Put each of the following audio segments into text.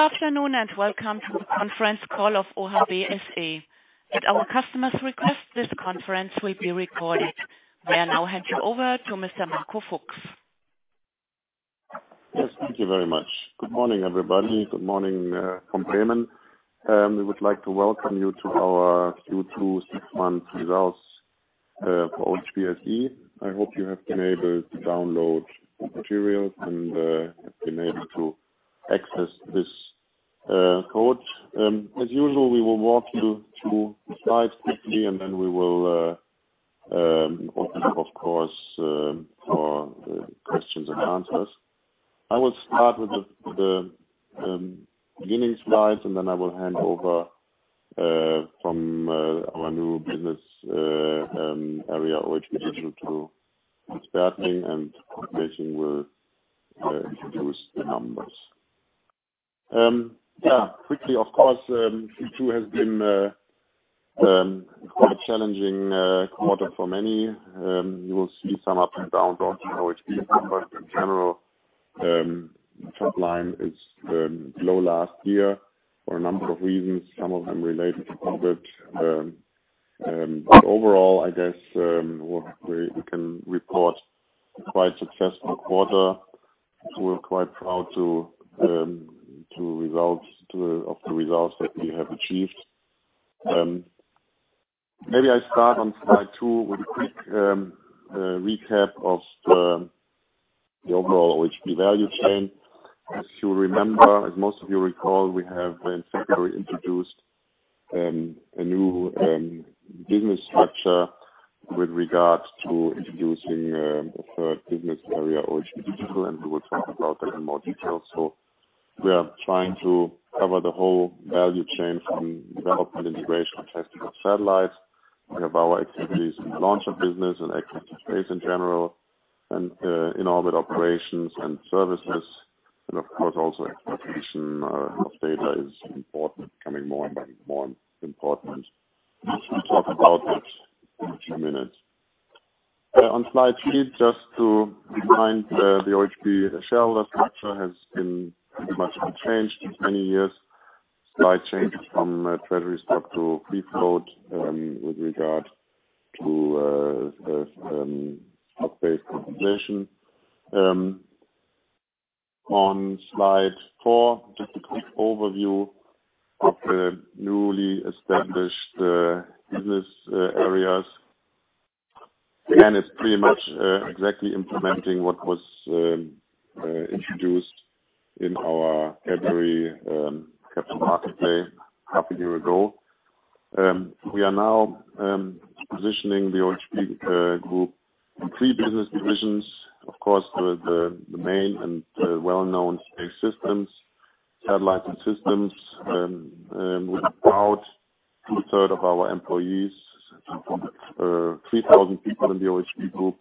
Good afternoon, welcome to the conference call of OHB SE. At our customer's request, this conference will be recorded. We now hand you over to Mr. Marco Fuchs. Yes, thank you very much. Good morning, everybody. Good morning from Bremen. We would like to welcome you to our Q2 six-month results for OHB SE. I hope you have been able to download the materials and have been able to access this call. As usual, we will walk you through the slides quickly and then we will open, of course, for questions and answers. I will start with the beginning slides and then I will hand over from our new business area, OHB Digital, to Lutz Bärtling, and Bärtling will introduce the numbers. Quickly, of course, Q2 has been quite a challenging quarter for many. You will see some ups and downs on OHB, but in general, top line is below last year for a number of reasons, some of them related to COVID. Overall, I guess, we can report quite a successful quarter. We're quite proud of the results that we have achieved. Maybe I start on Slide two with a quick recap of the overall OHB value chain. As most of you recall, we have in February introduced a new business structure with regards to introducing a third business area, OHB Digital, and we will talk about that in more detail. We are trying to cover the whole value chain from development, integration, and testing of satellites. We have our activities in the launcher business and access to space in general and in-orbit operations and services. Of course, also exploitation of data is important, becoming more and more important. We will talk about that in a few minutes. On Slide three, just to remind, the OHB shareholder structure has been pretty much unchanged in many years. Slight change from treasury stock to free float with regard to stock-based compensation. On Slide four, just a quick overview of the newly established business areas. It's pretty much exactly implementing what was introduced in our February capital market day half a year ago. We are now positioning the OHB Group in three business divisions. Of course, the main and well-known space systems, satellites and systems, with about two-third of our employees, 3,000 people in the OHB Group.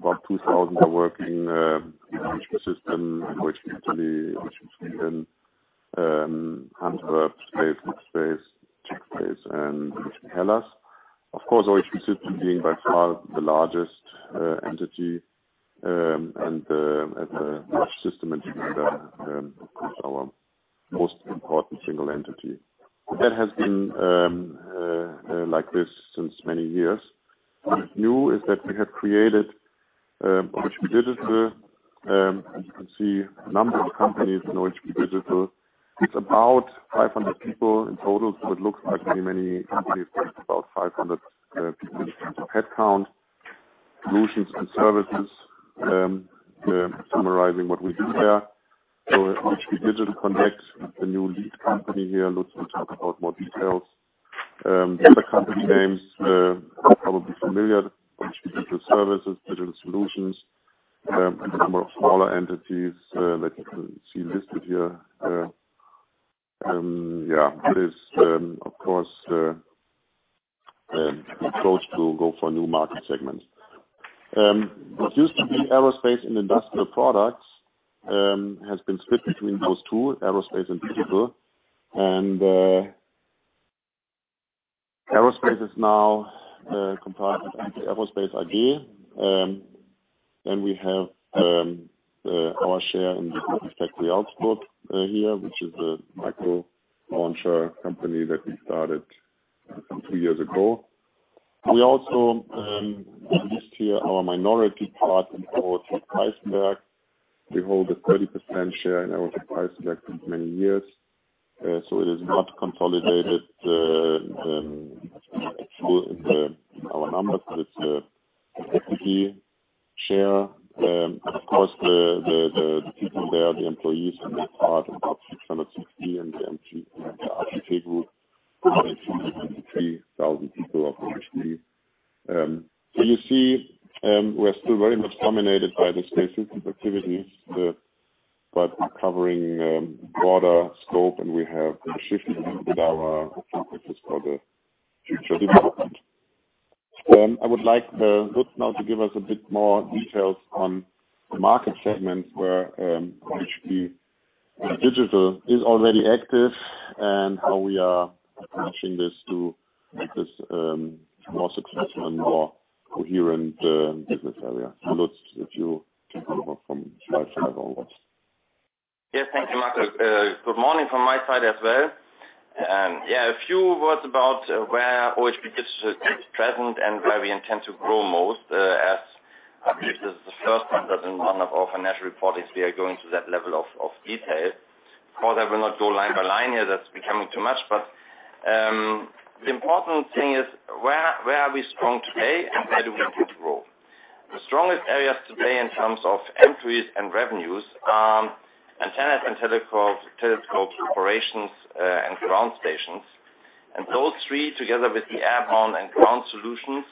About 2,000 are working in OHB System, OHB Italia, OHB Sweden, Antwerp Space, NextSpace, OHB Czechspace, and OHB Hellas. Of course, OHB System being by far the largest entity and as a large system integrator, of course, our most important single entity. That has been like this since many years. What is new is that we have created OHB Digital. As you can see, a number of companies in OHB Digital. It's about 500 people in total, so it looks like many companies, but it's about 500 people in terms of headcount. Solutions and services, summarizing what we do there. OHB Digital Connect, the new lead company here. Lutz will talk about more details. The other company names are probably familiar. OHB Digital Services, Digital Solutions, and a number of smaller entities that you can see listed here. It is, of course, an approach to go for new market segments. What used to be Aerospace and Industrial Products has been split between those two, Aerospace and Digital. Aerospace is now comprised of MT Aerospace AG. We have our share in the company, Rocket Factory Augsburg here, which is a micro-launcher company that we started a few years ago. We also listed here our minority part in ORT Eisenberg. We hold a 30% share in ORT Eisenberg for many years. It is not consolidated in our numbers, but it's an equity share. Of course, the people there, the employees on their part, about 660, and the MT Aerospace group, 183,000 people of OHB. You see, we're still very much dominated by the space system activities, but covering a broader scope, and we have been shifting a bit our focuses for the future development. I would like Lutz now to give us a bit more details on the market segments where OHB Digital is already active and how we are approaching this to make this more successful and more coherent business area. Lutz, if you can come up from Slide number one. Yes. Thank you, Markus. Good morning from my side as well. Yeah, a few words about where OHB Digital is present and where we intend to grow most as I believe this is the first time that in one of our financial reports we are going to that level of detail. Of course, I will not go line by line here. That's becoming too much. The important thing is, where are we strong today and where do we intend to grow? The strongest areas today in terms of entries and revenues are antennas and telescopes, telescope operations and ground stations. Those three, together with the airborne and ground solutions,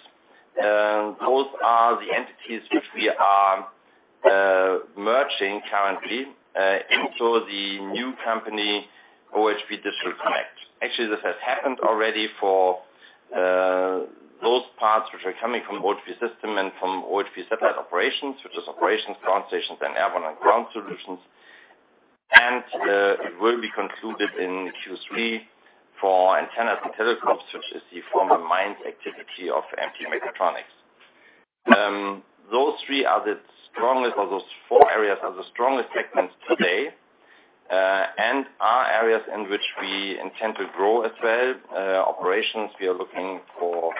those are the entities which we are merging currently into the new company, OHB Digital Connect. Actually, this has happened already for those parts which are coming from OHB System and from OHB Satellite Operations, which is operations, ground stations, and airborne and ground solutions. It will be concluded in Q3 for antennas and telescopes, which is the former MIND activity of MT Mechatronics. Those four areas are the strongest segments today, and are areas in which we intend to grow as well. Operations, we are looking for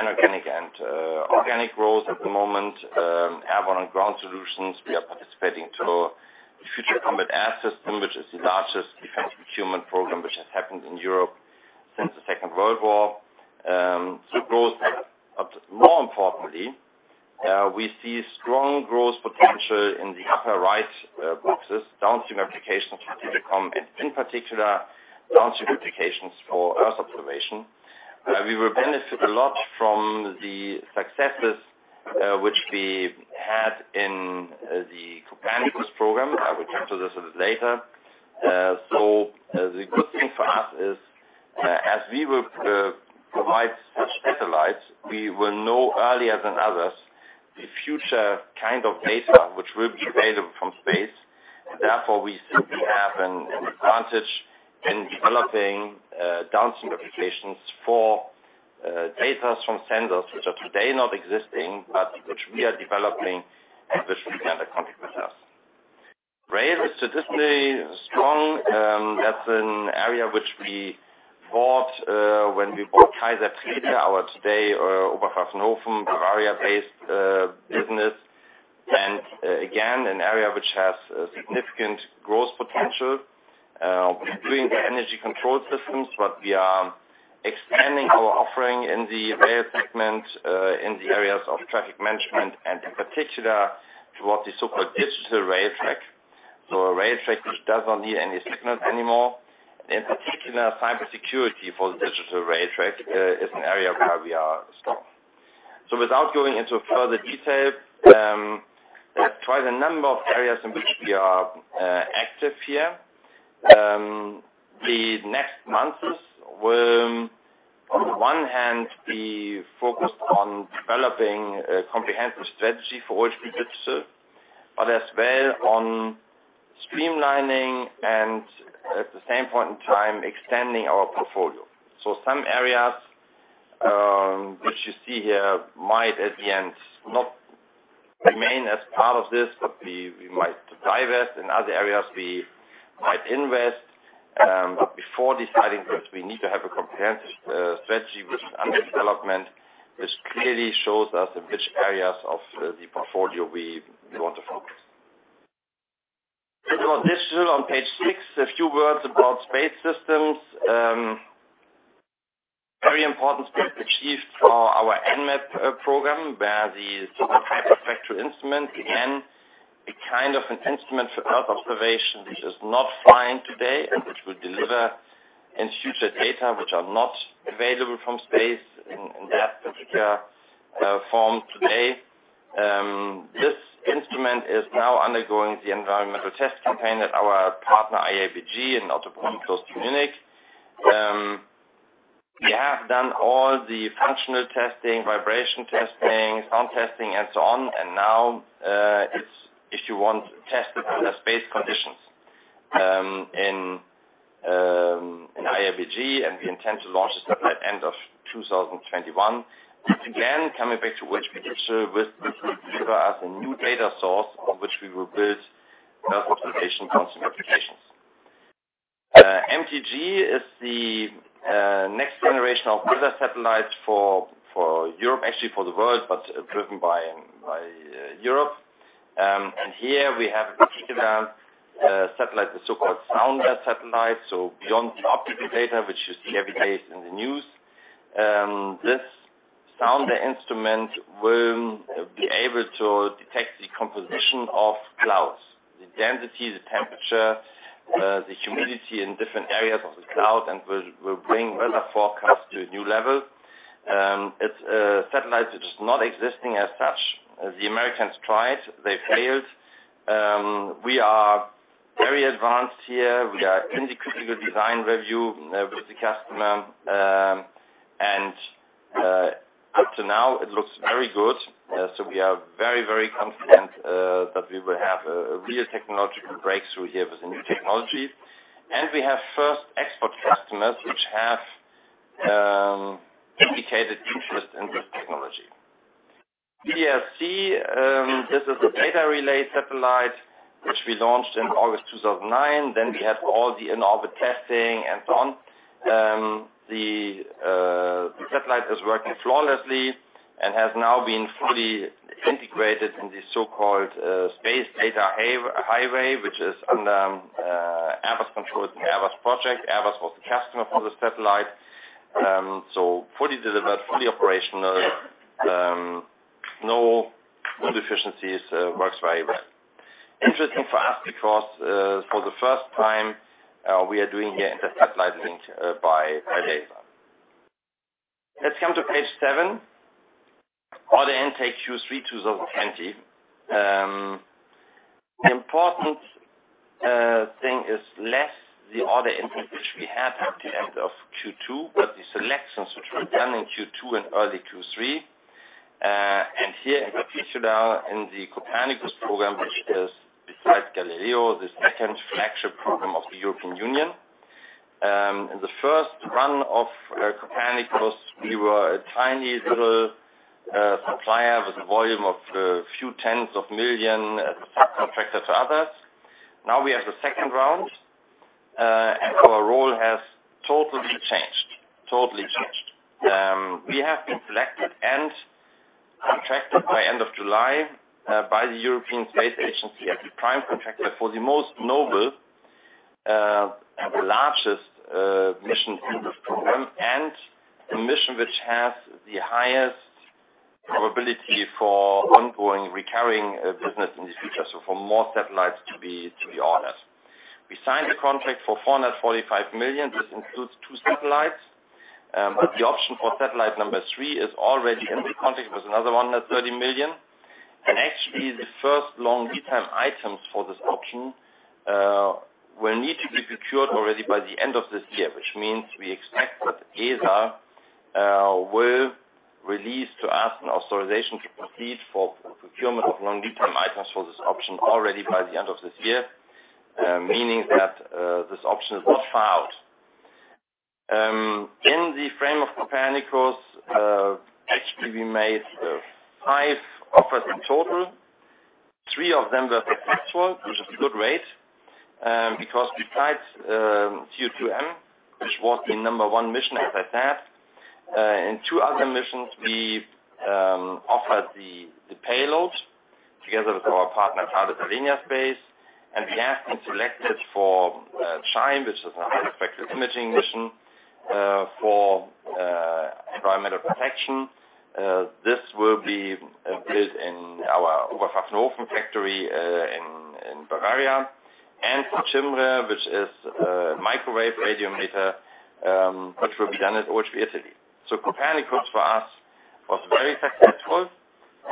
inorganic and organic growth at the moment. Airborne and ground solutions, we are participating to the Future Combat Air System, which is the largest defense procurement program which has happened in Europe since the Second World War. Growth. More importantly, we see strong growth potential in the upper right boxes, downstream applications for telecom, and in particular, downstream applications for Earth observation. We will benefit a lot from the successes which we had in the Copernicus program. I will come to this a little later. The good thing for us is, as we will provide such satellites, we will know earlier than others the future kind of data which will be available from space. Therefore, we simply have an advantage in developing downstream applications for data from sensors which are today not existing, but which we are developing and which will be under contract with us. Rail is traditionally strong. That's an area which we bought when we bought Kayser-Threde, our today Oberpfaffenhofen, Bavaria-based business. Again, an area which has significant growth potential between the energy control systems, but we are expanding our offering in the rail segment in the areas of traffic management and in particular towards the so-called digital rail track. A rail track which does not need any signals anymore. In particular, cybersecurity for the digital rail track is an area where we are strong. Without going into further detail, that's why the number of areas in which we are active here the next months will, on the one hand, be focused on developing a comprehensive strategy for OHB Digital, but as well on streamlining and, at the same point in time, extending our portfolio. Some areas which you see here might, at the end, not remain as part of this, but we might divest. In other areas, we might invest. Before deciding this, we need to have a comprehensive strategy which is under development, which clearly shows us in which areas of the portfolio we want to focus. Additional on Page six, a few words about space systems. Very important step achieved for our EnMAP program, where the hyperspectral instrument, again, a kind of an instrument for Earth observation which is not flying today and which will deliver in future data which are not available from space in that particular form today. This instrument is now undergoing the environmental test campaign at our partner, IABG, in Ottobrunn, close to Munich. We have done all the functional testing, vibration testing, sound testing, and so on. Now it's, if you want, tested under space conditions in IABG, and we intend to launch it at end of 2021. Coming back to which we did serve with, which will deliver us a new data source on which we will build Earth observation consumer applications. MTG is the next generation of weather satellites for Europe, actually for the world, but driven by Europe. Here we have in particular a satellite, the so-called sounder satellite. Beyond the optical data, which you see every day in the news, this sounder instrument will be able to detect the composition of clouds, the density, the temperature, the humidity in different areas of the cloud, and will bring weather forecast to a new level. It's a satellite which is not existing as such. The Americans tried, they failed. We are very advanced here. We are in the critical design review with the customer, and up to now, it looks very good. We are very confident that we will have a real technological breakthrough here with a new technology. We have first export customers which have indicated interest in this technology. GSC, this is a data relay satellite which we launched in August 2009. We had all the in-orbit testing and so on. The satellite is working flawlessly and has now been fully integrated in the so-called SpaceDataHighway, which is under Airbus control. It's an Airbus project. Airbus was the customer for the satellite. Fully delivered, fully operational. No deficiencies. Works very well. Interesting for us because for the first time, we are doing here inter-satellite link by data. Let's come to Page seven. Order intake Q3 2020. Important thing is less the order intake which we had at the end of Q2, but the selections which were done in Q2 and early Q3. Here in particular in the Copernicus program, which is, besides Galileo, the second flagship program of the European Union. In the first run of Copernicus, we were a tiny little supplier with a volume of a few tens of million contracted to others. Now we have the second round, and our role has totally changed. We have been selected and contracted by end of July by the European Space Agency as the prime contractor for the most noble and the largest mission in this program, the mission which has the highest probability for ongoing recurring business in the future. For more satellites to be ordered. We signed a contract for 445 million. This includes two satellites. The option for satellite number 3 is already in the contract with another 130 million. Actually the first long lead time items for this option will need to be procured already by the end of this year, which means we expect that ESA will release to us an authorization to proceed for procurement of long lead time items for this option already by the end of this year. Meaning that this option is not filed. In the frame of Copernicus, actually, we made five offers in total. Three of them were successful, which is a good rate. Besides CO2M, which was the number 1 mission as I said, in two other missions, we offered the payload together with our partner, Thales Alenia Space. We have been selected for CHIME, which is a hyperspectral imaging mission for environmental protection. This will be built in our Oberpfaffenhofen factory in Bavaria, and for CIMR, which is a microwave radiometer, which will be done at OHB Italia. Copernicus for us was very successful.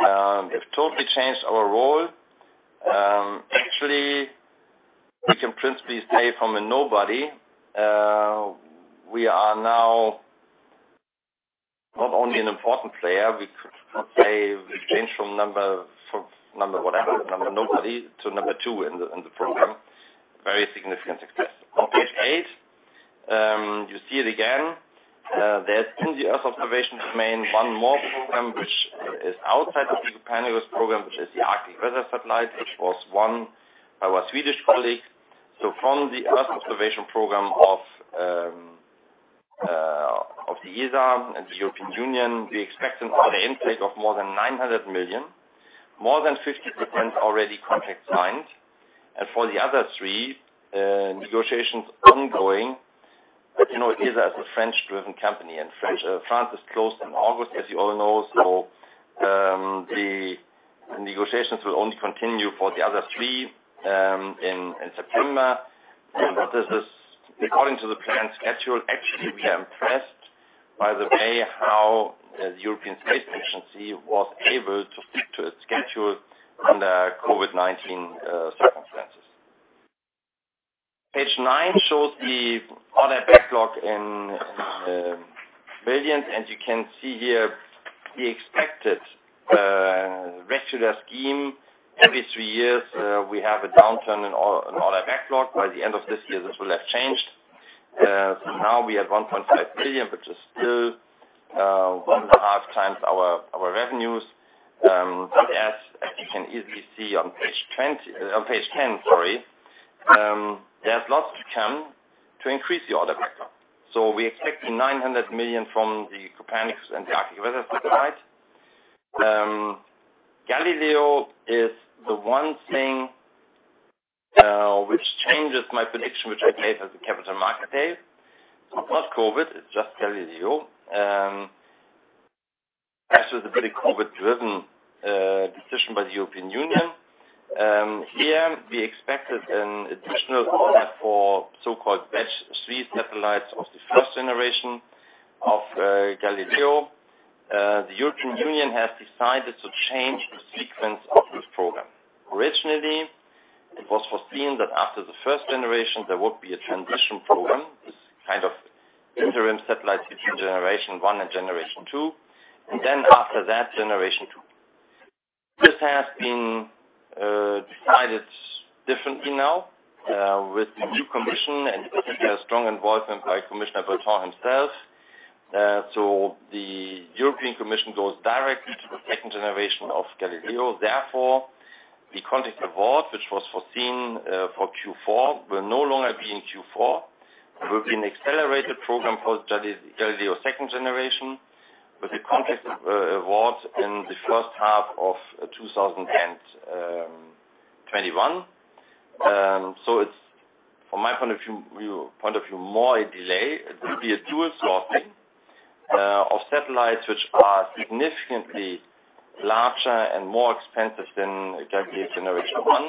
It totally changed our role. Actually, we can principally say from a nobody, we are now not only an important player, we could say we changed from number whatever, number nobody, to number two in the program. Very significant success. On Page eight, you see it again. There's in the Earth observation domain, one more program, which is outside of the Copernicus program, which is the Arctic Weather Satellite, which was won by our Swedish colleague. From the Earth observation program of the ESA and the European Union, we are expecting order intake of more than 900 million. More than 50% already contract signed. For the other three, negotiations ongoing. You know ESA is a French-driven company, and France is closed in August, as you all know. The negotiations will only continue for the other three in September. This is according to the planned schedule. Actually, we are impressed by the way how the European Space Agency was able to stick to its schedule under COVID-19 circumstances. Page nine shows the order backlog in billions, and you can see here the expected regular scheme. Every three years, we have a downturn in order backlog. By the end of this year, this will have changed. Now we have EUR 1.5 billion, which is still 1.5x our revenues. As you can easily see on Page 10, there is lots to come to increase the order backlog. We expect 900 million from the Copernicus and the Arctic Weather Satellite. Galileo is the one thing which changes my prediction, which I made at the Capital Market Day. It is not COVID, it is just Galileo. Actually, it is a very COVID driven decision by the European Union. Here, we expected an additional order for so-called batch three satellites of the first generation of Galileo. The European Union has decided to change the sequence of this program. Originally, it was foreseen that after the first generation, there would be a transition program, interim satellite situation, Generation 1 and Generation 2, and then after that, Generation 2. This has been decided differently now with the new Commission and particular strong involvement by Commissioner Breton himself. The European Commission goes directly to the Generation 2 of Galileo. The contract award, which was foreseen for Q4, will no longer be in Q4. There will be an accelerated program for Galileo Generation 2 with the contract awards in the first half of 2021. It's, from my point of view, more a delay. It will be a dual sourcing of satellites which are significantly larger and more expensive than Galileo Generation 1.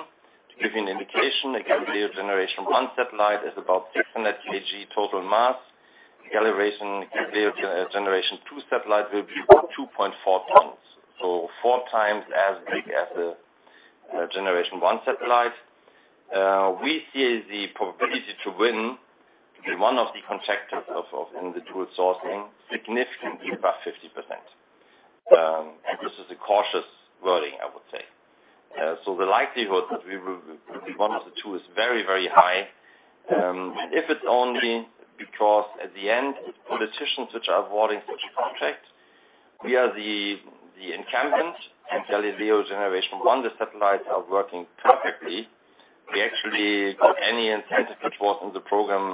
To give you an indication, a Galileo Generation 1 satellite is about 600 kg total mass. Galileo Generation 2 satellite will be about 2.4 tons, so 4x as big as the Generation 1 satellite. We see the probability to win in one of the contractors of individual sourcing significantly above 50%. This is a cautious wording, I would say. The likelihood that we will be one of the two is very high. If it's only because at the end, politicians which are awarding such contracts, we are the incumbent in Galileo Generation 1. The satellites are working perfectly. We actually got any incentive support on the program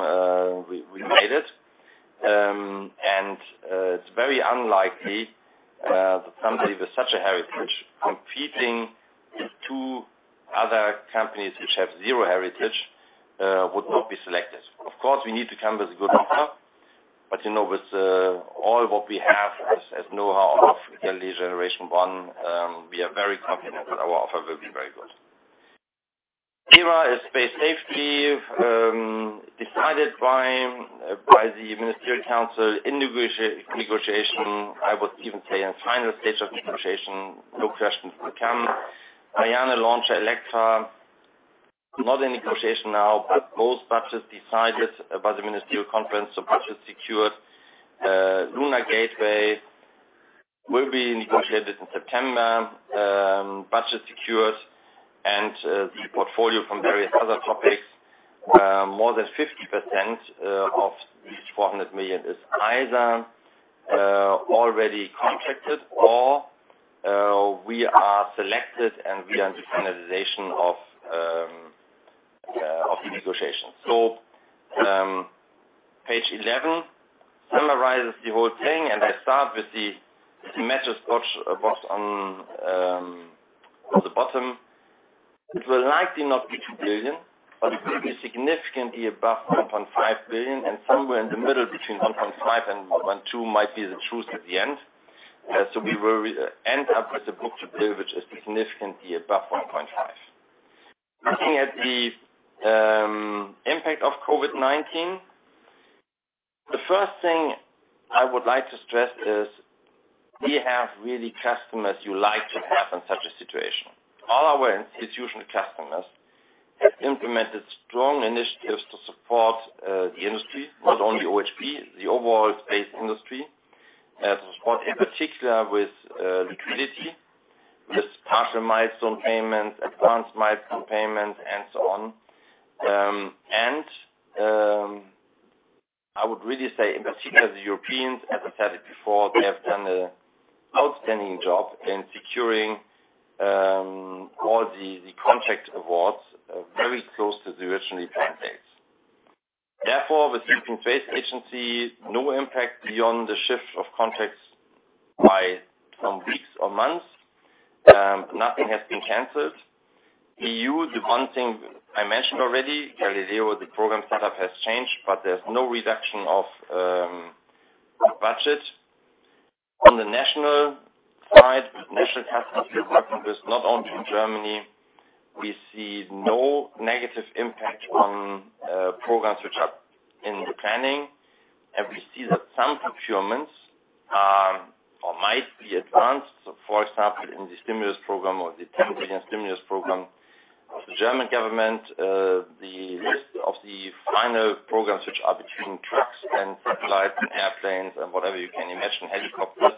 we made it. It's very unlikely that somebody with such a heritage competing with two other companies which have zero heritage would not be selected. We need to come with a good offer, with all what we have as know-how of Galileo Generation 1, we are very confident that our offer will be very good. SSA is space safety, decided by the Ministerial Council in negotiation. I would even say in final stage of negotiation. No questions will come. Ariane launcher, Electra, not in negotiation now. Both budgets decided by the Ministerial Conference. Budget secured. Lunar Gateway will be negotiated in September, budget secured. The portfolio from various other topics, more than 50% of these 400 million is either already contracted or we are selected and we are in the finalization of the negotiation. Page 11 summarizes the whole thing. I start with the matrix watch box on the bottom. It will likely not be 2 billion, but it will be significantly above 1.5 billion and somewhere in the middle between 1.5 billion and 1.2 billion might be the truth at the end. We will end up with a book to bill which is significantly above 1.5. Looking at the impact of COVID-19. The first thing I would like to stress is we have really customers you like to have in such a situation. All our institutional customers have implemented strong initiatives to support the industry, not only OHB, the overall space industry, to support in particular with liquidity, with partial milestone payments, advanced milestone payments, and so on. I would really say, in particular, the Europeans, as I said it before, they have done a outstanding job in securing all the contract awards very close to the originally planned dates. Therefore, with European Space Agency, no impact beyond the shift of contracts by some weeks or months. Nothing has been canceled. EU, the one thing I mentioned already, Galileo, the program setup has changed, but there is no reduction of budget. On the national side, national customers, not only in Germany, we see no negative impact on programs which are in the planning. We see that some procurements are or might be advanced. For example, in the stimulus program or the EUR 10 billion stimulus program of the German government, the list of the final programs, which are between trucks and satellites and airplanes and whatever you can imagine, helicopters,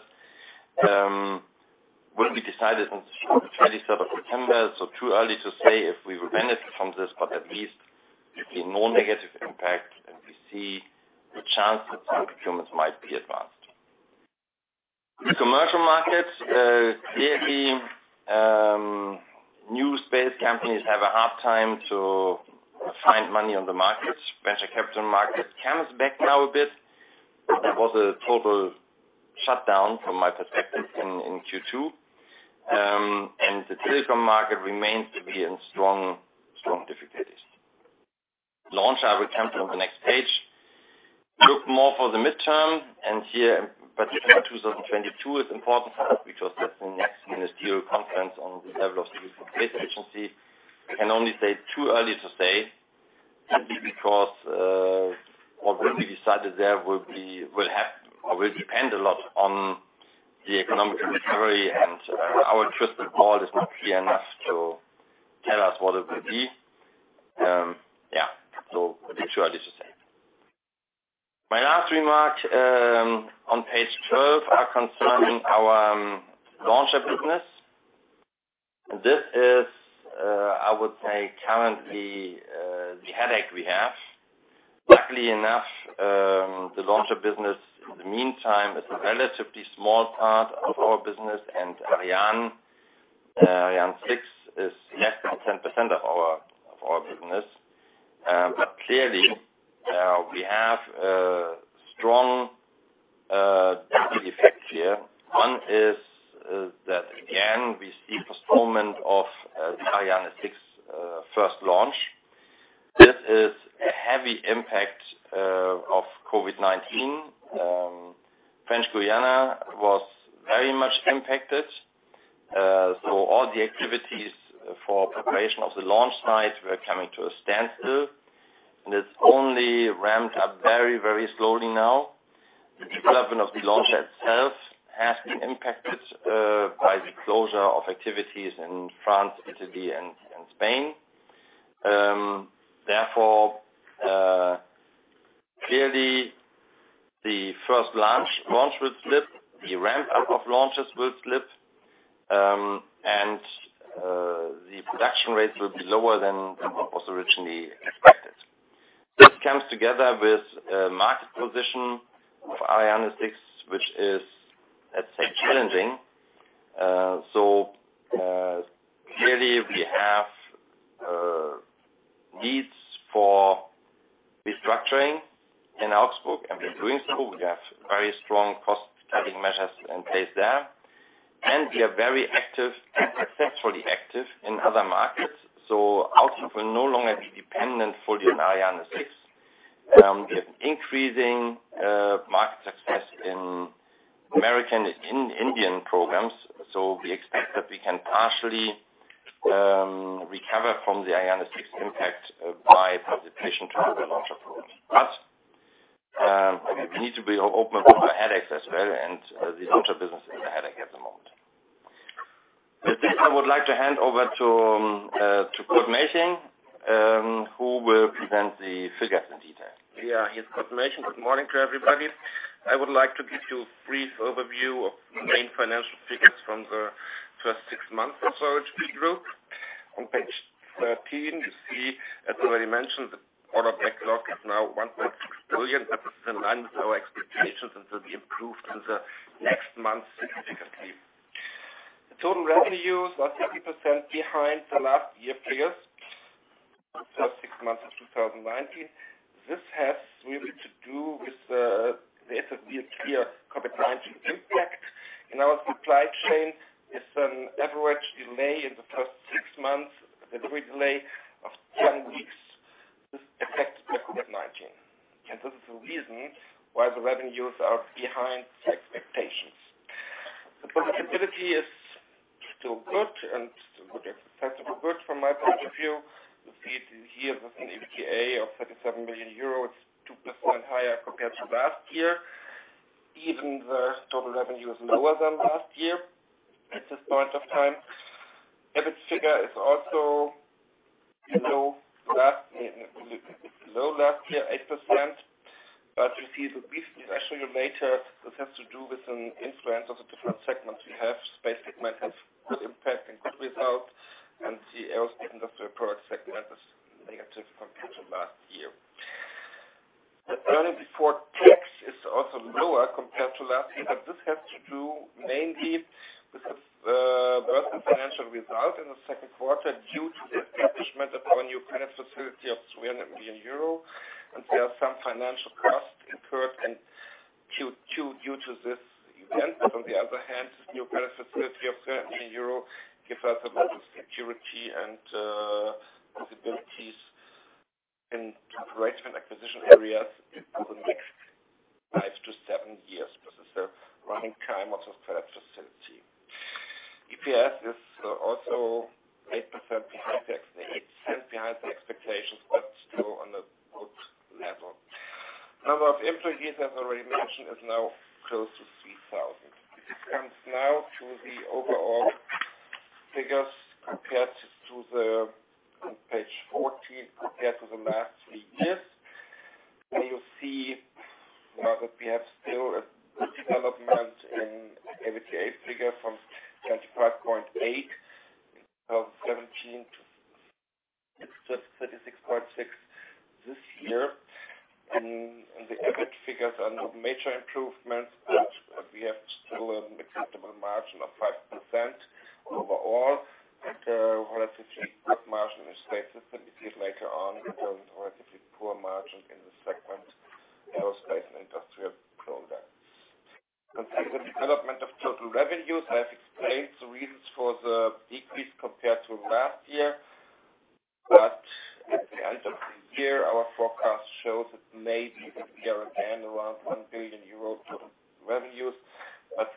will be decided in the 27th of September. Too early to say if we will benefit from this, but at least there will be no negative impact and we see the chance that some procurements might be advanced. Commercial markets, clearly, new space companies have a hard time to find money on the markets. Venture capital markets came back now a bit. There was a total shutdown from my perspective in Q2. The telecom market remains to be in strong difficulties. Launch, I will come to on the next page. Look more for the midterm, and here, particularly 2022 is important for us because that's the next ministerial conference on the level of the European Space Agency. I can only say it's too early to say simply because what will be decided there will depend a lot on the economic recovery and our trusted ball is not clear enough to tell us what it will be. Yeah. The two are the same. My last remark on Page 12 are concerning our launcher business. This is, I would say, currently the headache we have. Luckily enough, the launcher business in the meantime is a relatively small part of our business and Ariane 6 is less than 10% of our business. Clearly, we have a strong double effect here. One is that again, we see postponement of the Ariane 6 first launch. This is a heavy impact of COVID-19. French Guiana was very much impacted. All the activities for preparation of the launch site were coming to a standstill, and it's only ramped up very slowly now. The development of the launcher itself has been impacted by the closure of activities in France, Italy, and Spain. Therefore, clearly the first launch will slip, the ramp-up of launches will slip, and the production rates will be lower than what was originally expected. This comes together with a market position of Ariane 6, which is, let's say, challenging. Clearly, we have needs for restructuring in Augsburg and we're doing so. We have very strong cost-cutting measures in place there, and we are very active and successfully active in other markets. Augsburg will no longer be dependent fully on Ariane 6. We have increasing market success in American, in Indian programs. We expect that we can partially recover from the Ariane 6 impact by participation to other launcher programs. We need to be open for headaches as well, and the launcher business is a headache at the moment. With this, I would like to hand over to Kurt Melching, who will present the figures in detail. Yeah. Here is Kurt Melching. Good morning to everybody. I would like to give you a brief overview of the main financial figures from the first six months or so at OHB Group. On Page 13, you see, as already mentioned, the order backlog is now 1.6 billion. This is in line with our expectations and will be improved in the next months significantly. The total revenues are 30% behind the last year figures, the first six months of 2019. This has really to do with the COVID-19 impact. In our supply chain is an average delay in the first six months, a delivery delay of 10 weeks. This is affected by COVID-19, and this is the reason why the revenues are behind expectations. The profitability is still good and good from my point of view. You see it here with an EBITDA of 37 million euros, it is 2% higher compared to last year. Even the total revenue is lower than last year at this point of time. EBIT figure is also low, last year, 8%, but you see the reason I show you later, this has to do with an influence of the different segments we have. Space segment has good impact and good results, and the Aerospace and Industrial Products segment is negative compared to last year. The earning before tax is also lower compared to last year, but this has to do mainly with the burden financial result in the second quarter due to the establishment of our new credit facility of 300 million euro and there are some financial costs incurred due to this event. On the other hand, new credit facility of EUR 300 million give us a lot of security and visibilities in the growth and acquisition areas in the next five to seven years. This is the running time of the credit facility. EPS is also 8% behind the expectations, still on a good level. Number of employees, as already mentioned, is now close to 3,000. This comes now to the overall figures, on Page 14, compared to the last three years. You see now that we have still a development in EBITDA figure from 25.8 in 2017 to 36.6 this year. In the EBIT figures are no major improvements, we have still an acceptable margin of 5% overall. The relatively good margin in the space system you see later on, relatively poor margin in the segment, Aerospace and Industrial Products. You can see the development of total revenues. I have explained the reasons for the decrease compared to last year. At the end of the year, our forecast shows that maybe we can get again around EUR 1 billion total revenues.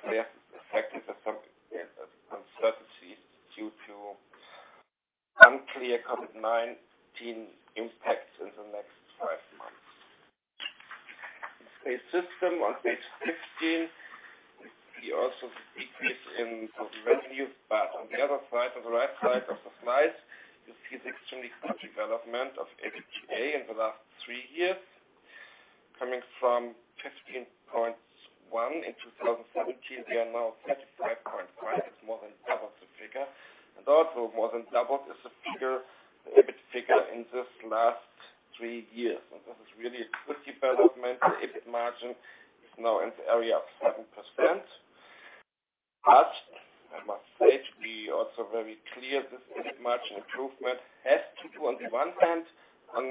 We are affected with some uncertainties due to unclear COVID-19 impacts in the next five, six months. Based system on Page 15. We also see decrease in total revenue. On the other side, on the right side of the slide, you see the extremely strong development of EBITDA in the last three years, coming from 15.1 in 2017, we are now 35.5. It's more than doubled the figure. Also more than doubled is the figure, the EBIT figure in this last three years. This is really a good development. The EBIT margin is now in the area of 7%. I must say, to be also very clear, this EBIT margin improvement has to do on the one hand on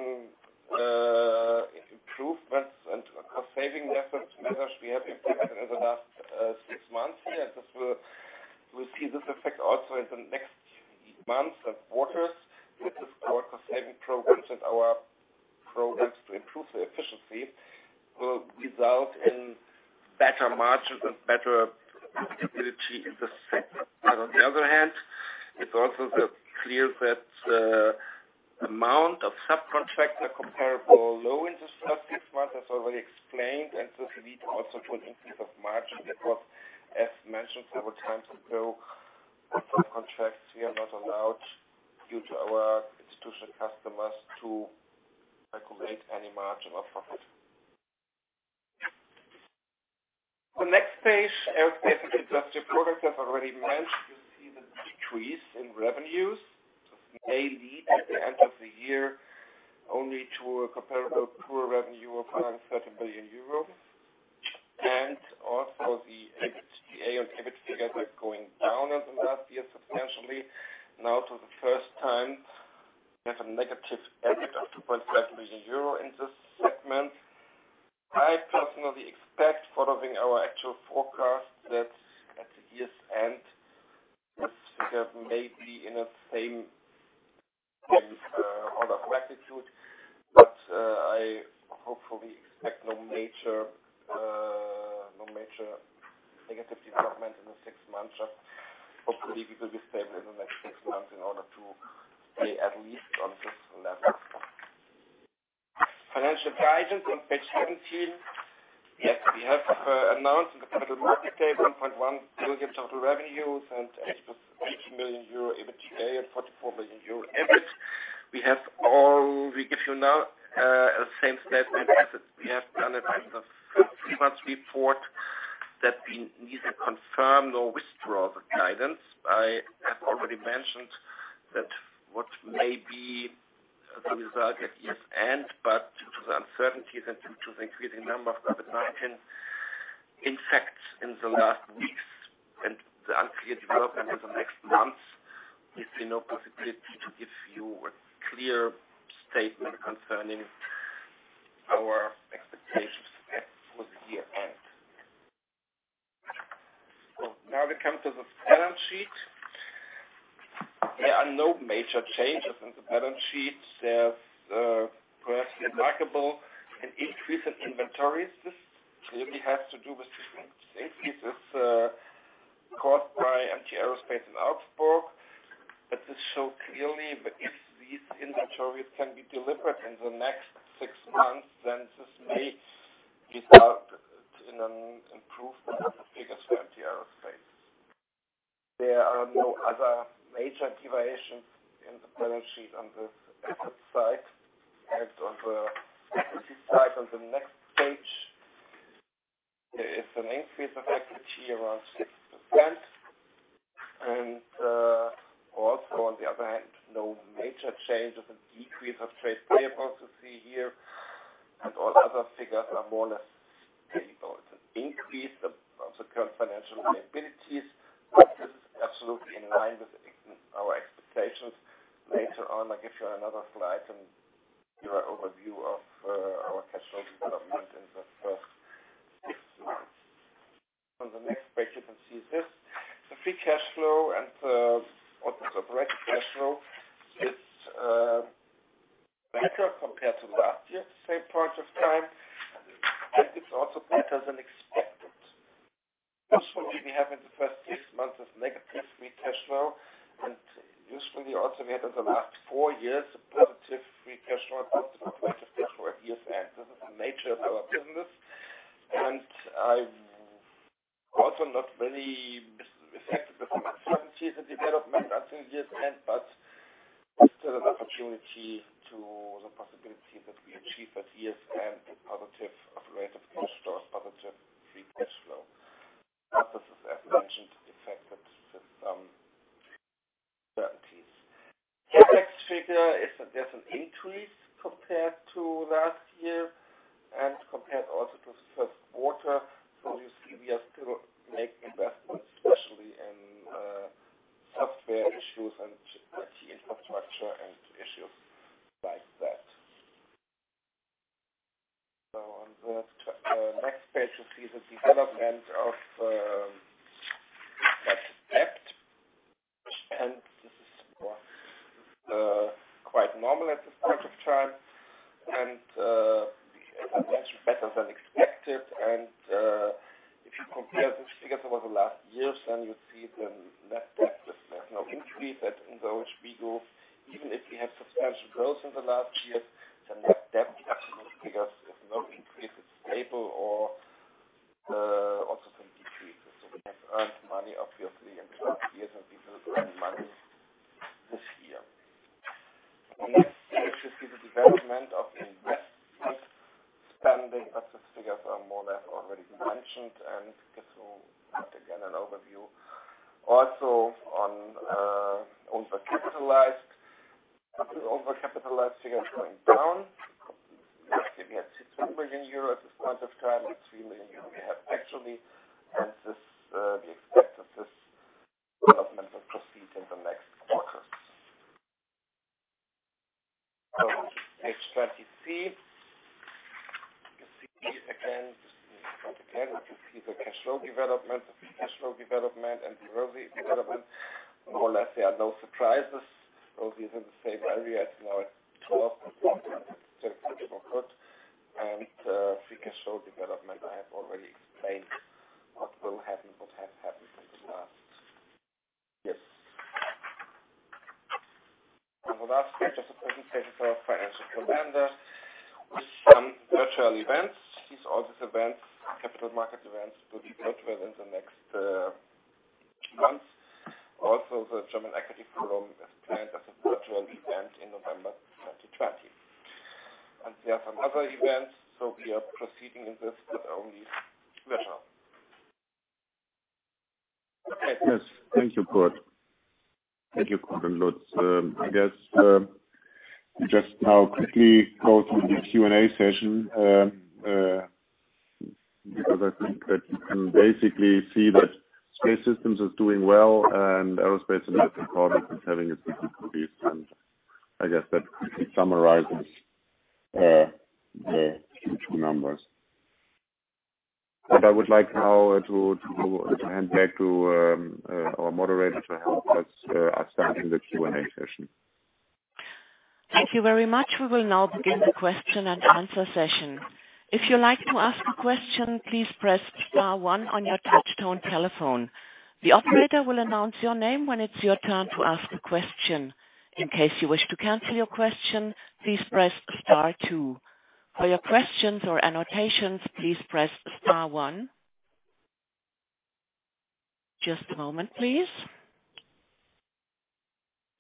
improvements and cost-saving efforts, measures we have implemented in the last six months here. We see this effect also in the next months and quarters, that our cost-saving programs and our products to improve the efficiency will result in better margins and better stability in this segment. On the other hand, it's also clear that amount of subcontractor comparable low in this last six months, as already explained, and this lead also to an increase of margin. As mentioned several times ago, the contracts, we are not allowed due to our institutional customers to accumulate any margin or profit. The next page, Aerospace Industry Products, as already mentioned, you see the decrease in revenues may lead at the end of the year only to a comparable poor revenue of around 30 billion euros. Also the EBITDA and EBIT figures are going down in the last year substantially. Now for the first time, we have a negative EBIT of 2.5 million euro in this segment. but this is absolutely in line with our expectations. Later on, I give you another slide and give an overview of our cash flow development in the first six months. On the next page, you can see this, the free cash flow and the operating cash flow. It's better compared to last year at the same point of time. It's also better than expected. Usually, we have in the first six months as negative free cash flow, and usually also we had in the last four years a positive free cash flow and positive operating cash flow at year-end. This is the nature of our business. I'm also not very satisfied with the first six months development until year's end, there's still an opportunity to the possibility that we achieve at year's end a positive operating cash flow, a positive free cash flow. This is, as mentioned, affected with some uncertainties. CapEx figure, there's an increase compared to last year Just a moment please.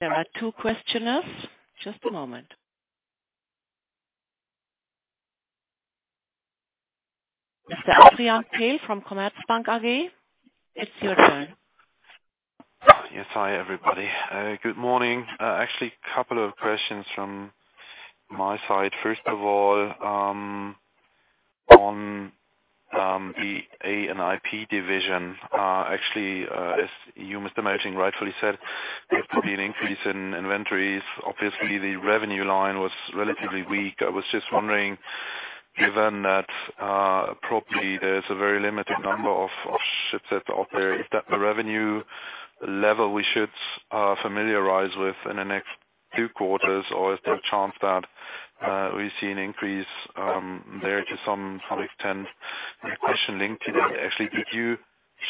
There are two questions. Just a moment. Mr. Adrian Peh from Commerzbank AG, it's your turn. Yes. Hi, everybody. Good morning. Couple of questions from my side. First of all, on the A&IP division. As you, Mr. Marco, rightfully said, there could be an increase in inventories. Obviously, the revenue line was relatively weak. I was just wondering, given that probably there's a very limited number of ships that are out there, is that the revenue level we should familiarize with in the next two quarters? Or is there a chance that we see an increase there to some tenth? In addition linked to that, did you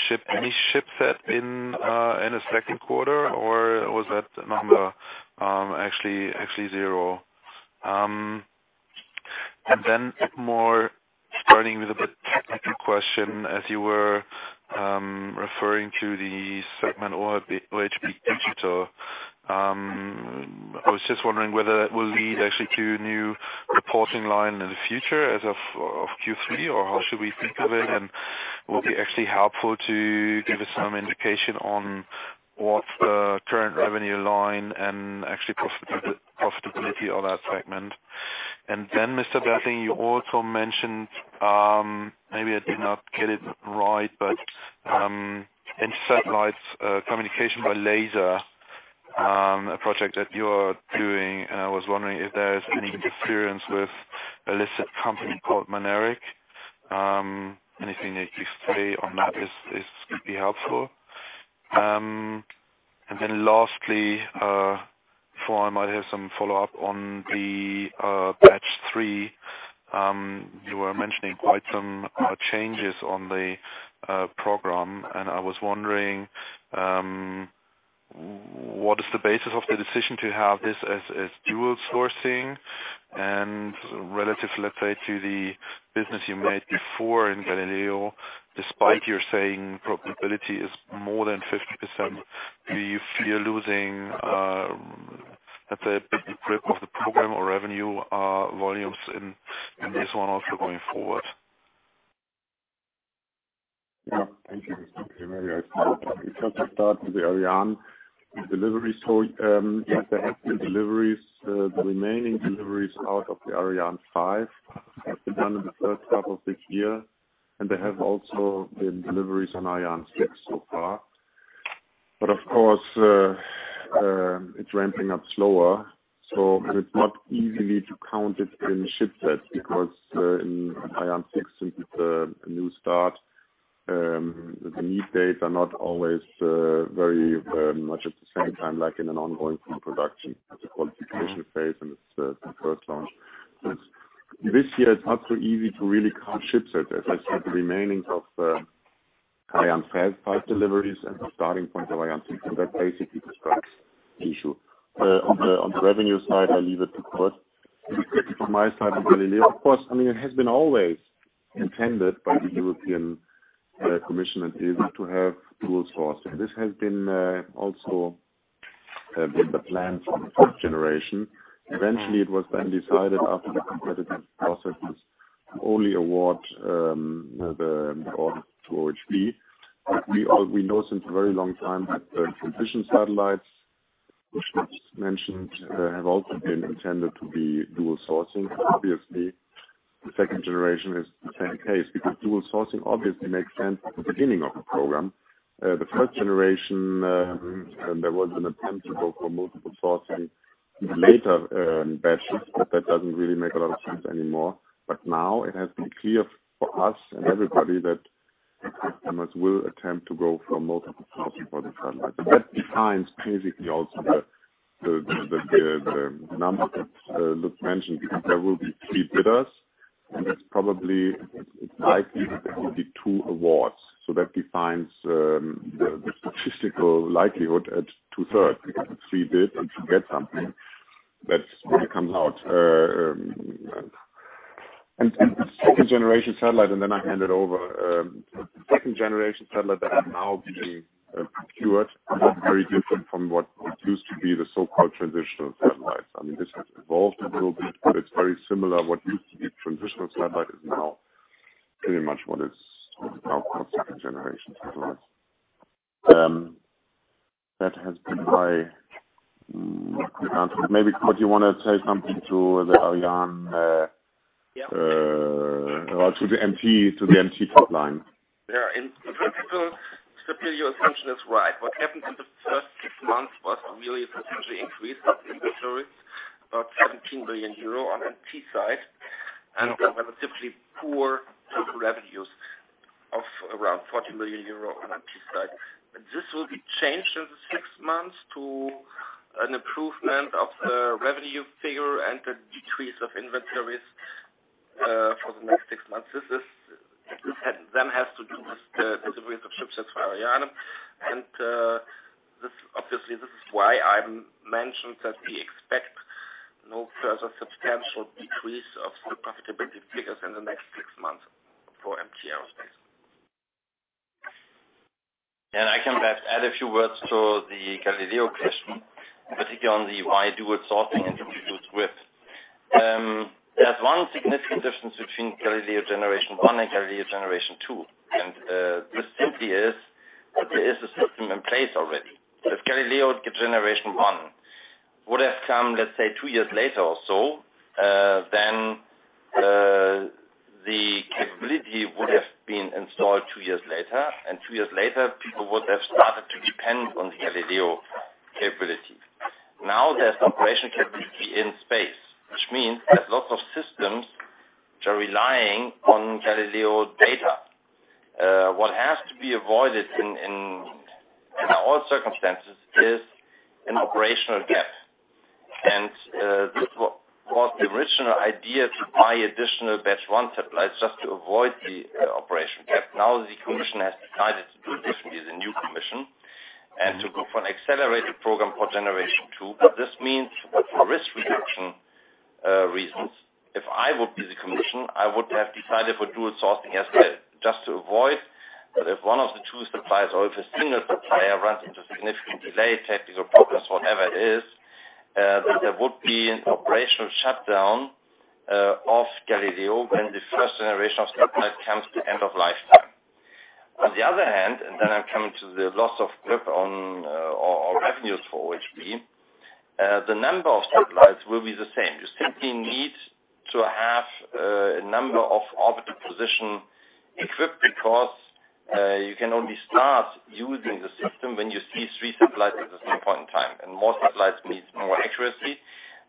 ship any ship set in the second quarter, or was that number actually zero? More starting with a bit technical question, as you were referring to the segment OHB Digital. I was just wondering whether that will lead actually to a new reporting line in the future as of Q3, or how should we think of it? Will it be actually helpful to give us some indication on what the current revenue line and actually profitability of that segment? Then, Mr. Marco, you also mentioned, maybe I did not get it right, but in satellites communication by laser, a project that you are doing. I was wondering if there is any experience with a listed company called Mynaric. Anything that you say on that could be helpful. Then lastly, before I might have some follow-up on the Batch 3. I was wondering, what is the basis of the decision to have this as dual sourcing and relative, let's say, to the business you made before in Galileo, despite your saying profitability is more than 50%? Do you fear losing, let's say, a bit of grip of the program or revenue volumes in this one also going forward? Thank you, Mr. Peh. Maybe I start with the Ariane deliveries. There have been deliveries. The remaining deliveries out of the Ariane 5 have been done in the first half of this year, and there have also been deliveries on Ariane 6 so far. Of course, it's ramping up slower, so it's not easy to count it in ship sets because in Ariane 6 it's a new start. The need days are not always very much at the same time, like in an ongoing full production. It's a qualification phase and it's the first launch. This year it's not so easy to really count ship sets as I see the remaining of Ariane 5 deliveries and the starting point of Ariane 6, and that basically describes the issue. On the revenue side, I leave it to Kurt. From my side, on Galileo, of course, it has been always intended by the European Commission and isn't to have dual sourcing. This has been also in the plan for the fourth generation. It was then decided after the competitive processes to only award the order to OHB. We know since a very long time that the transition satellites, which Lutz mentioned, have also been intended to be dual sourcing. The second generation is the same case because dual sourcing obviously makes sense at the beginning of a program. The first generation, there was an attempt to go for multiple sourcing in later batches, but that doesn't really make a lot of sense anymore. Now it has been clear for us and everybody that the customers will attempt to go for multiple sourcing for the satellite. That defines basically also the number that Lutz mentioned, because there will be three bidders, and it's likely that there will be two awards. That defines the statistical likelihood at two-thirds, because it's three bids, and to get something, that's what comes out. The second generation satellite, and then I hand it over. The second generation satellite that are now being procured is not very different from what used to be the so-called transitional satellites. This has evolved a little bit, but it's very similar. What used to be transitional satellite is now pretty much what is now called second generation satellites. That has been my answer. Maybe, Kurt, you want to say something to the Ariane or to the MT top line? Yeah. In principle, your assumption is right. What happened in the first six months was really a substantial increase of inventories, about 17 billion euro on MT side, and relatively poor total revenues of around 40 million euro on MT side. This will be changed in the six months to an improvement of the revenue figure and the decrease of inventories for the next six months. This then has to do with the deliveries of ships for Ariane. Obviously, this is why I mentioned that we expect no further substantial decrease of the profitability figures in the next six months for MT Aerospace. I can add a few words to the Galileo question, particularly on the why dual sourcing and can we lose grip? There is one significant difference between Galileo Generation 1 and Galileo Generation 2, and this simply is that there is a system in place already. If Galileo Generation 1 would have come, let's say, two years later or so, then the capability would have been installed two years later, and two years later, people would have started to depend on the Galileo capability. Now there is operational capability in space, which means there is lots of systems which are relying on Galileo data. What has to be avoided in all circumstances is an operational gap. This was the original idea to buy additional Batch 1 satellites just to avoid the operational gap. The Commission has decided to do differently as a new Commission and to go for an accelerated program for Generation 2. This means for risk reduction reasons, if I would be the Commission, I would have decided for dual sourcing as well, just to avoid that if one of the two suppliers or if a single supplier runs into significant delay, technical progress, whatever it is, that there would be an operational shutdown of Galileo when the first generation of satellites comes to end of lifetime. I am coming to the loss of grip on our revenues for OHB, the number of satellites will be the same. You simply need to have a number of orbital position equipped because you can only start using the system when you see three satellites at the same point in time. More satellites means more accuracy.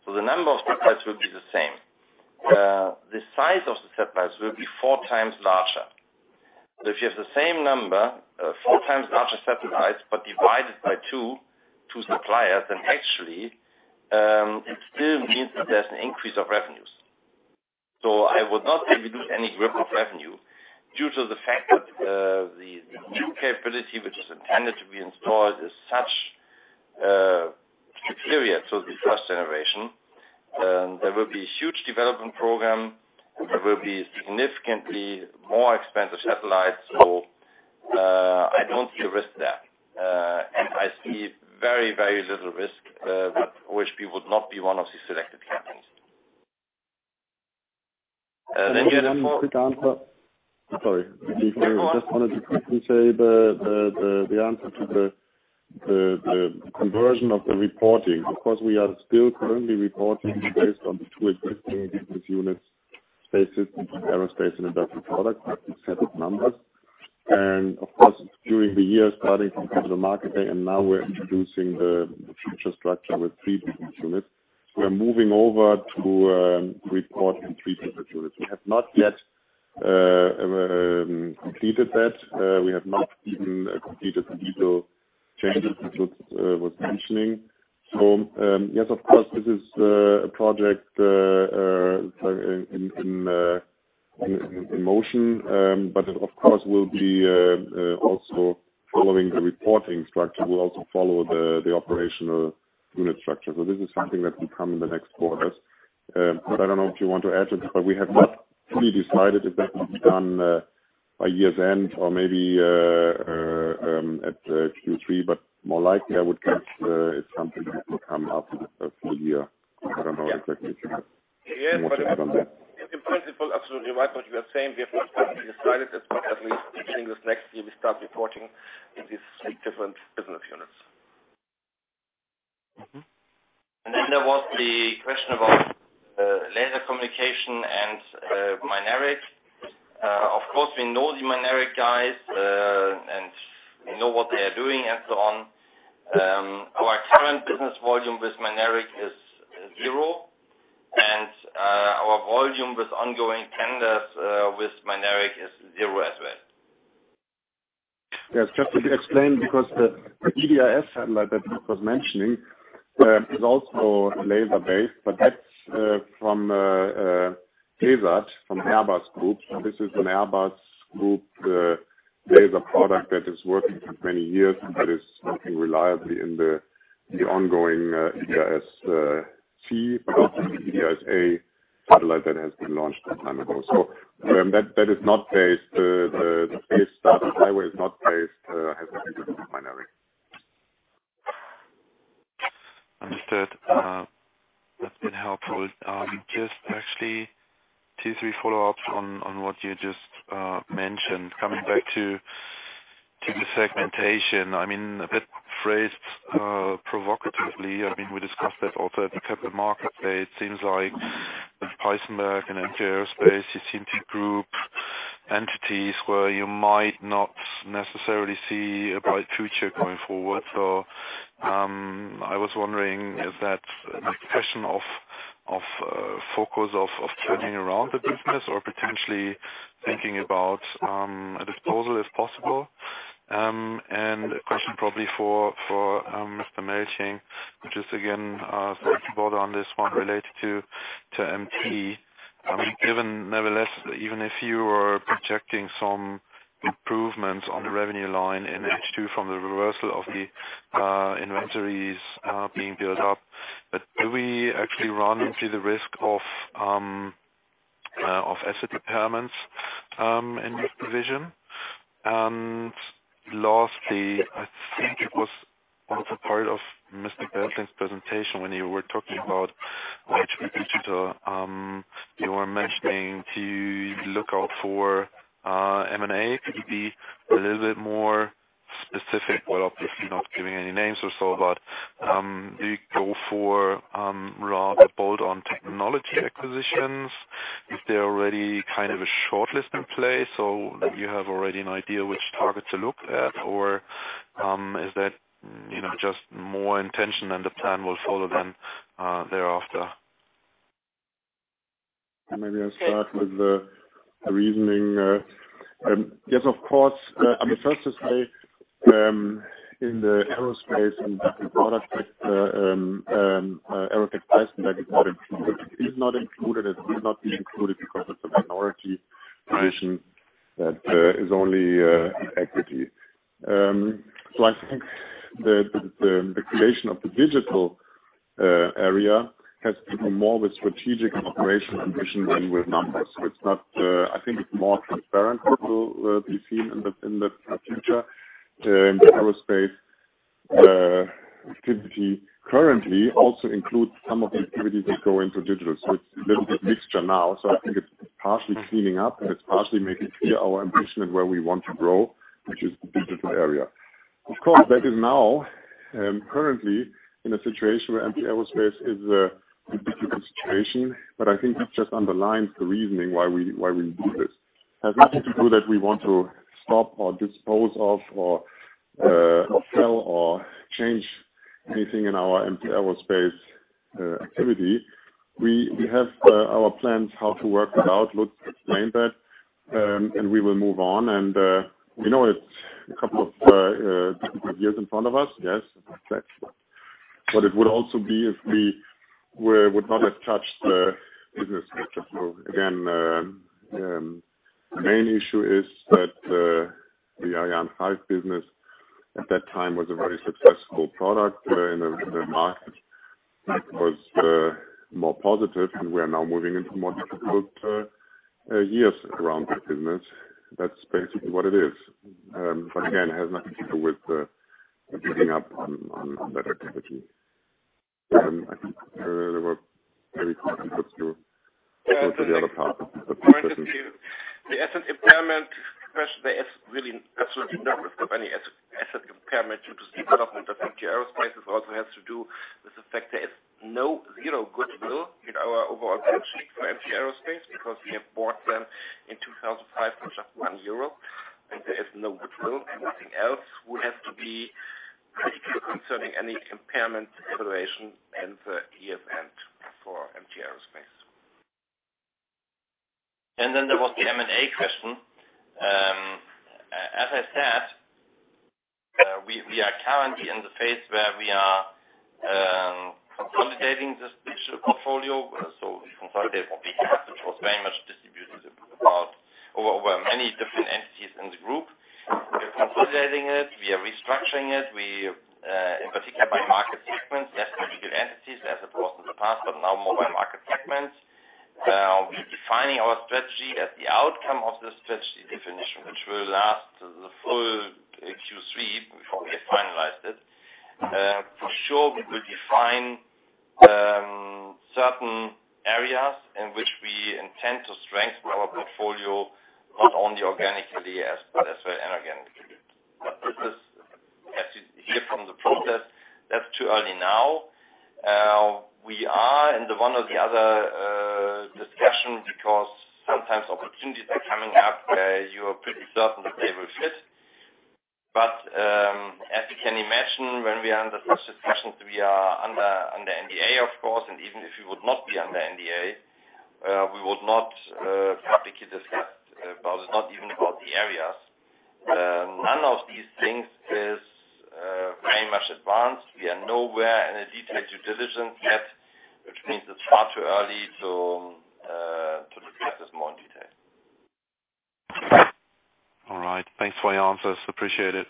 The number of satellites will be the same. The size of the satellites will be 4x larger. If you have the same number, 4x larger satellites, but divided by two suppliers, then actually it still means that there's an increase of revenues. I would not say we lose any grip of revenue due to the fact that the new capability, which is intended to be installed, is such superior to the first generation. There will be a huge development program. There will be significantly more expensive satellites. I don't see a risk there. I see very, very little risk that OHB would not be one of the selected captains. Sorry. I just wanted to quickly say the answer to the conversion of the reporting. Of course, we are still currently reporting based on the two existing business units, Space Systems, Aerospace, and Industrial Products. We set up numbers. Of course, during the year, starting from Capital Market Day, and now we're introducing the future structure with three business units. We're moving over to report in three business units. We have not yet completed that. We have not even completed the legal changes, as Lutz was mentioning. Yes, of course, this is a project in motion, but of course, we'll be also following the reporting structure. We'll also follow the operational unit structure. This is something that will come in the next quarters. I don't know if you want to add to it, but we have not fully decided if that will be done by year's end or maybe at Q3, but more likely, I would guess, it's something that will come after the full-year. I don't know exactly if you have more to add on that. Yes, in principle, absolutely right what you are saying. We have not finally decided, but at least during this next year, we start reporting in these three different business units. There was the question about laser communication and Mynaric. Of course, we know the Mynaric guys, and we know what they are doing and so on. Our current business volume with Mynaric is zero, and our volume with ongoing tenders with Mynaric is zero as well. Yes, just to explain, because the EDRS satellite that Lutz was mentioning is also laser-based, but that's from Tesat, from Airbus Group. This is an Airbus Group laser product that is working for many years and that is working reliably in the ongoing EDRS-C, but also in the EDRS-A satellite that has been launched some time ago. That highway is not based, has nothing to do with Mynaric. Understood. That's been helpful. Just actually two, three follow-ups on what you just mentioned. Coming back to the segmentation, a bit phrased provocatively, we discussed that also at the Capital Market Day. It seems like with Aerotech Peissenberg and MT Aerospace, you seem to group entities where you might not necessarily see a bright future going forward. I was wondering, is that a question of focus of turning around the business or potentially thinking about a disposal if possible? A question probably for Mr. Melching, just again, sort of to bother on this one related to MT. Given nevertheless, even if you are projecting some improvements on the revenue line in H2 from the reversal of the inventories being built up, but do we actually run into the risk of asset impairments in this division? Lastly, I think it was also part of Mr. Melching's presentation when you were talking about HP Tutor. You were mentioning to look out for M&A. Could you be a little bit more specific about, obviously not giving any names or so, but do you go for rather bolt-on technology acquisitions? Is there already kind of a shortlist in place, or do you have already an idea which target to look at? Is that just more intention and the plan will follow then thereafter? Maybe I'll start with the reasoning. Yes, of course. I mean, first to say, in the aerospace and defense product, Aerotech Peissenberg is not included and will not be included because it's a minority position that is only equity. I think the creation of the digital area has to do more with strategic and operational ambition than with numbers. I think it's more transparent what will be seen in the future. The aerospace activity currently also includes some of the activities that go into digital. It's a little bit mixture now. I think it's partially cleaning up, and it's partially making clear our ambition and where we want to grow, which is the digital area. Of course, that is now currently in a situation where MT Aerospace is a difficult situation, but I think that just underlines the reasoning why we do this. It has nothing to do that we want to stop or dispose of or sell or change anything in our MT Aerospace activity. We have our plans how to work that out. Lutz explained that. We will move on. We know it's a couple of difficult years in front of us, yes. That's a fact. It would also be if we would not have touched the business at all. Again, the main issue is that the Ariane 5 business at that time was a very successful product in a market that was more positive, and we are now moving into more difficult years around that business. That's basically what it is. Again, it has nothing to do with giving up on that activity. I think there were maybe questions that you want for the other part. The asset impairment question, there is really absolutely nothing. There's no asset impairment due to development of MT Aerospace. It also has to do with the fact there is zero goodwill. Overall for MT Aerospace, because we have bought them in 2005 for just 1 euro, and there is no goodwill. Everything else would have to be critical concerning any impairment acceleration and the year end for MT Aerospace. There was the M&A question. As I said, we are currently in the phase where we are consolidating the special portfolio. We consolidate what we have, which was very much distributed over many different entities in the group. We are consolidating it, we are restructuring it, in particular by market segments, less individual entities as it was in the past, but now more by market segments. We're defining our strategy as the outcome of the strategy definition, which will last the full Q3 before we have finalized it. For sure, we will define certain areas in which we intend to strengthen our portfolio, not only organically as well, but also inorganically. This, as you hear from the process, that's too early now. We are in the one or the other discussion because sometimes opportunities are coming up, you are pretty certain that they will fit. As you can imagine, when we are under such discussions, we are under NDA, of course. Even if we would not be under NDA, we would not publicly discuss about it, not even about the areas. None of these things is very much advanced. We are nowhere in a detailed due diligence yet, which means it's far too early to discuss this more in detail. All right. Thanks for your answers. Appreciate it.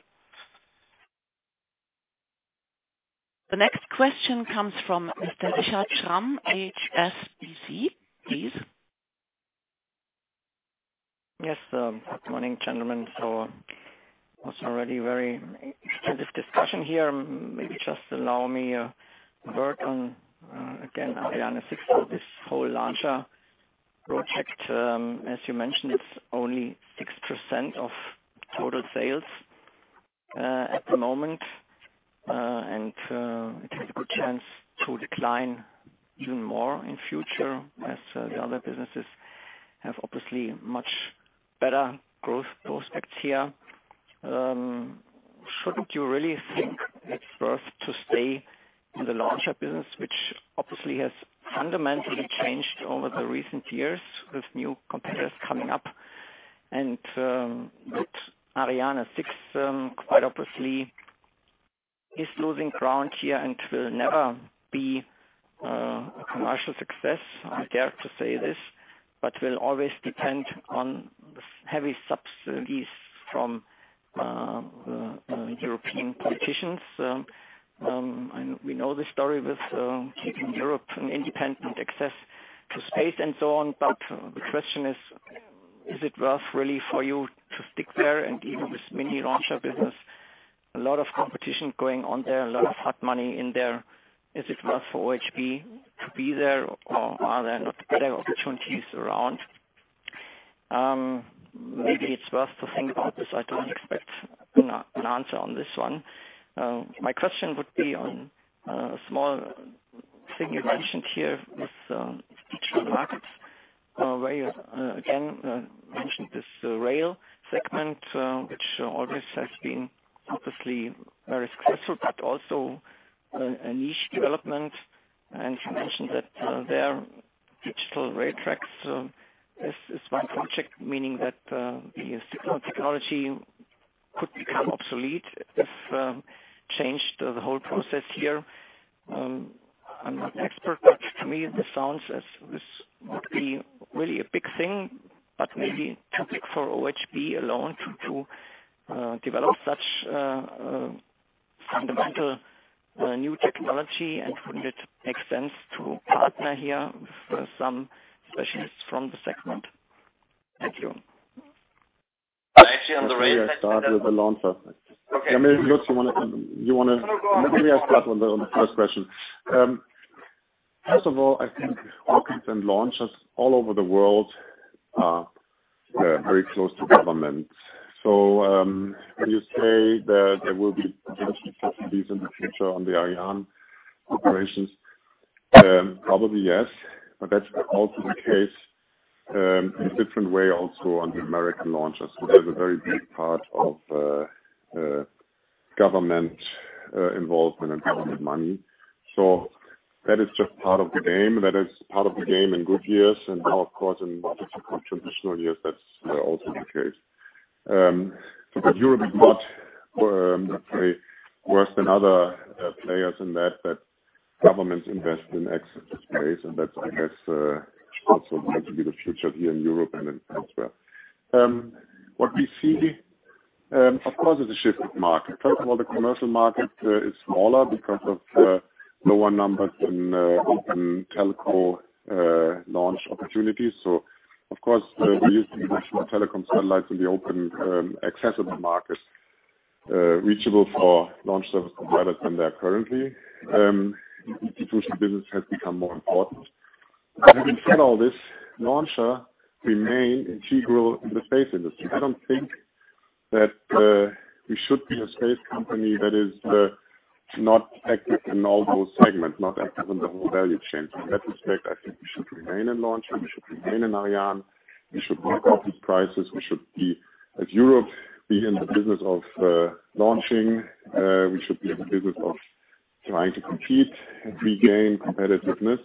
The next question comes from Mr. Richard Schramm, HSBC, please. Yes. Good morning, gentlemen. It was already a very extensive discussion here. Maybe just allow me to work on, again, Ariane 6 or this whole launcher project. As you mentioned, it's only 6% of total sales at the moment. It has a good chance to decline even more in future as the other businesses have obviously much better growth prospects here. Shouldn't you really think it's worth to stay in the launcher business, which obviously has fundamentally changed over the recent years with new competitors coming up and with Ariane 6 quite obviously is losing ground here and will never be a commercial success. I dare to say this, will always depend on heavy subsidies from European politicians. We know the story with keeping Europe an independent access to space and so on. The question is: Is it worth really for you to stick there and even with mini-launcher business, a lot of competition going on there, a lot of hard money in there? Is it worth for OHB to be there or are there not better opportunities around? Maybe it's worth to think about this. I don't expect an answer on this one. My question would be on a small thing you mentioned here with digital markets, where you again, mentioned this rail segment, which always has been obviously very successful, but also a niche development. You mentioned that their digital rail tracks is one project, meaning that the technology could become obsolete if changed the whole process here. I'm not an expert, but to me this sounds as this would be really a big thing, but maybe too big for OHB alone to develop such a fundamental new technology, and wouldn't it make sense to partner here with some specialists from the segment? Thank you. Actually, on the rail segment. Let me start with the launcher. Okay. Maybe, Lutz, Maybe I start on the first question. First of all, I think rockets and launchers all over the world are very close to government. When you say that there will be subsidies in the future on the Ariane operations, probably, yes, but that's also the case, in a different way also on the American launchers. There's a very big part of government involvement and government money. That is just part of the game. That is part of the game in good years and now, of course, in difficult traditional years, that's also the case. Europe is not worse than other players in that governments invest in access to space, and that's, I guess, also going to be the future here in Europe and elsewhere. What we see, of course, it's a shifting market. First of all, the commercial market is smaller because of lower numbers in open telco launch opportunities. Of course, we used to be much more telecom satellites in the open accessible market, reachable for launch service providers than they are currently. Institutional business has become more important. Having said all this, launcher remain integral in the space industry. I don't think that we should be a space company that is not active in all those segments, not active in the whole value chain. I think we should remain in launcher, we should remain in Ariane, we should work on these prices. We should be, as Europe, be in the business of launching. We should be in the business of trying to compete and regain competitiveness.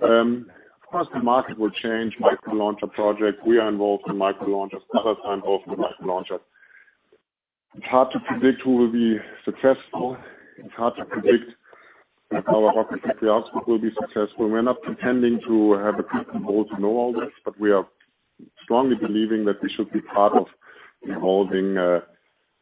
The market will change. Micro-launcher project. We are involved in micro-launchers. Others are involved in micro-launchers. It's hard to predict who will be successful. It's hard to predict if our rocket company, Ariane, will be successful. We're not pretending to have a crystal ball to know all this, but we are strongly believing that we should be part of involving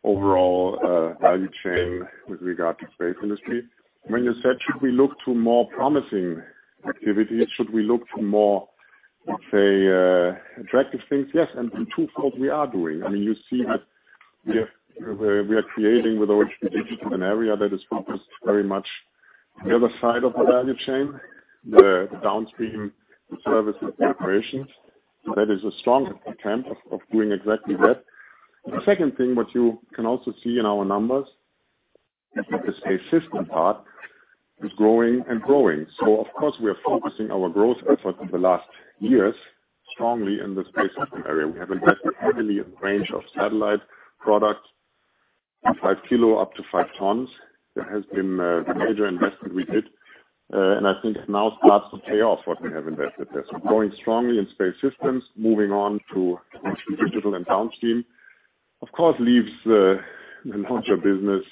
overall value chain with regard to space industry. When you said, should we look to more promising activities, should we look to more, let's say, attractive things? Yes, twofold we are doing. You see that we are creating with OHB Digital an area that is focused very much on the other side of the value chain, the downstream service and preparations. That is a strong attempt of doing exactly that. The second thing, what you can also see in our numbers, is that the space system part is growing and growing. Of course, we are focusing our growth effort in the last years strongly in the space system area. We have invested heavily in range of satellite products, from five kilo up to five tons. That has been the major investment we did. I think now starts to pay off what we have invested there. Going strongly in space systems, moving on to OHB Digital and downstream, of course, leaves the launcher business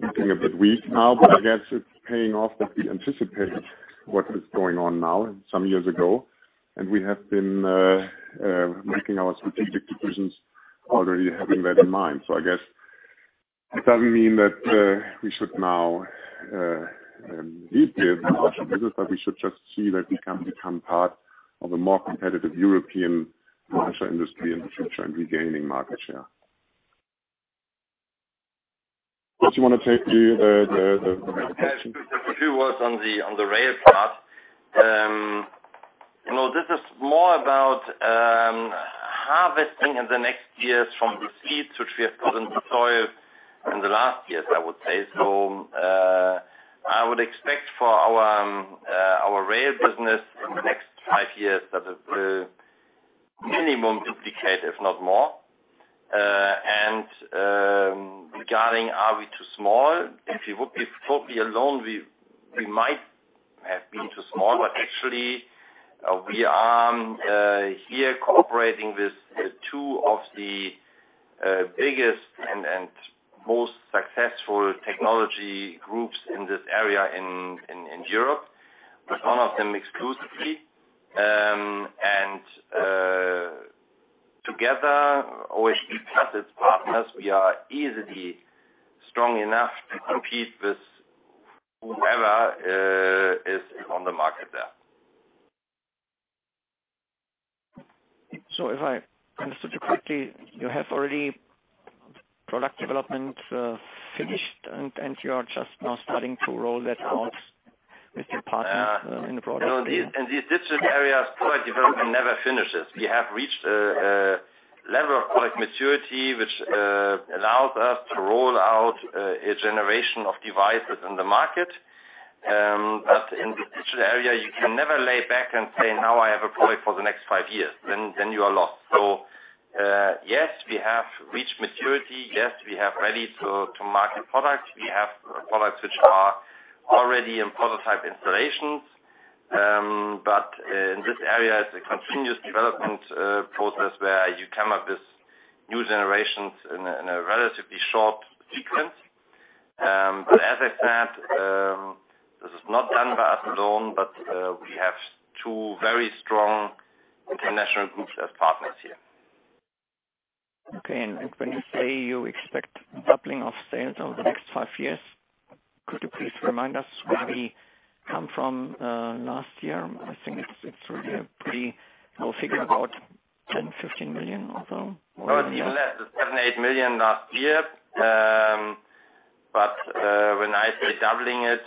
looking a bit weak now, but I guess it's paying off that we anticipated what is going on now some years ago. We have been making our strategic decisions already having that in mind. I guess it doesn't mean that we should now leave the launcher business, but we should just see that we can become part of a more competitive European launcher industry in the future and regaining market share. Don't you want to take the question? A few words on the rail part. This is more about harvesting in the next years from the seeds which we have put in the soil in the last years, I would say. I would expect for our rail business in the next five years, that it will minimum duplicate, if not more. Regarding are we too small, if it would be alone, we might have been too small, but actually, we are here cooperating with two of the biggest and most successful technology groups in this area in Europe, with one of them exclusively. Together, OHB, plus its partners, we are easily strong enough to compete with whoever is on the market there. If I understood you correctly, you have already product development finished, and you are just now starting to roll that out with your partners in the broader scheme. In these digital areas, product development never finishes. We have reached a level of product maturity which allows us to roll out a generation of devices in the market. In this digital area, you can never lay back and say, Now I have a product for the next five years. You are lost. Yes, we have reached maturity. Yes, we have ready to market products. We have products which are already in prototype installations. In this area, it's a continuous development process where you come up with new generations in a relatively short sequence. As I said, this is not done by us alone, but we have two very strong international groups as partners here. Okay. When you say you expect doubling of sales over the next five years, could you please remind us where we come from last year? I think it's really a pretty, I was thinking about 10 million, 15 million or so. No, it's even less. It's EUR seven, eight million last year. When I say doubling it,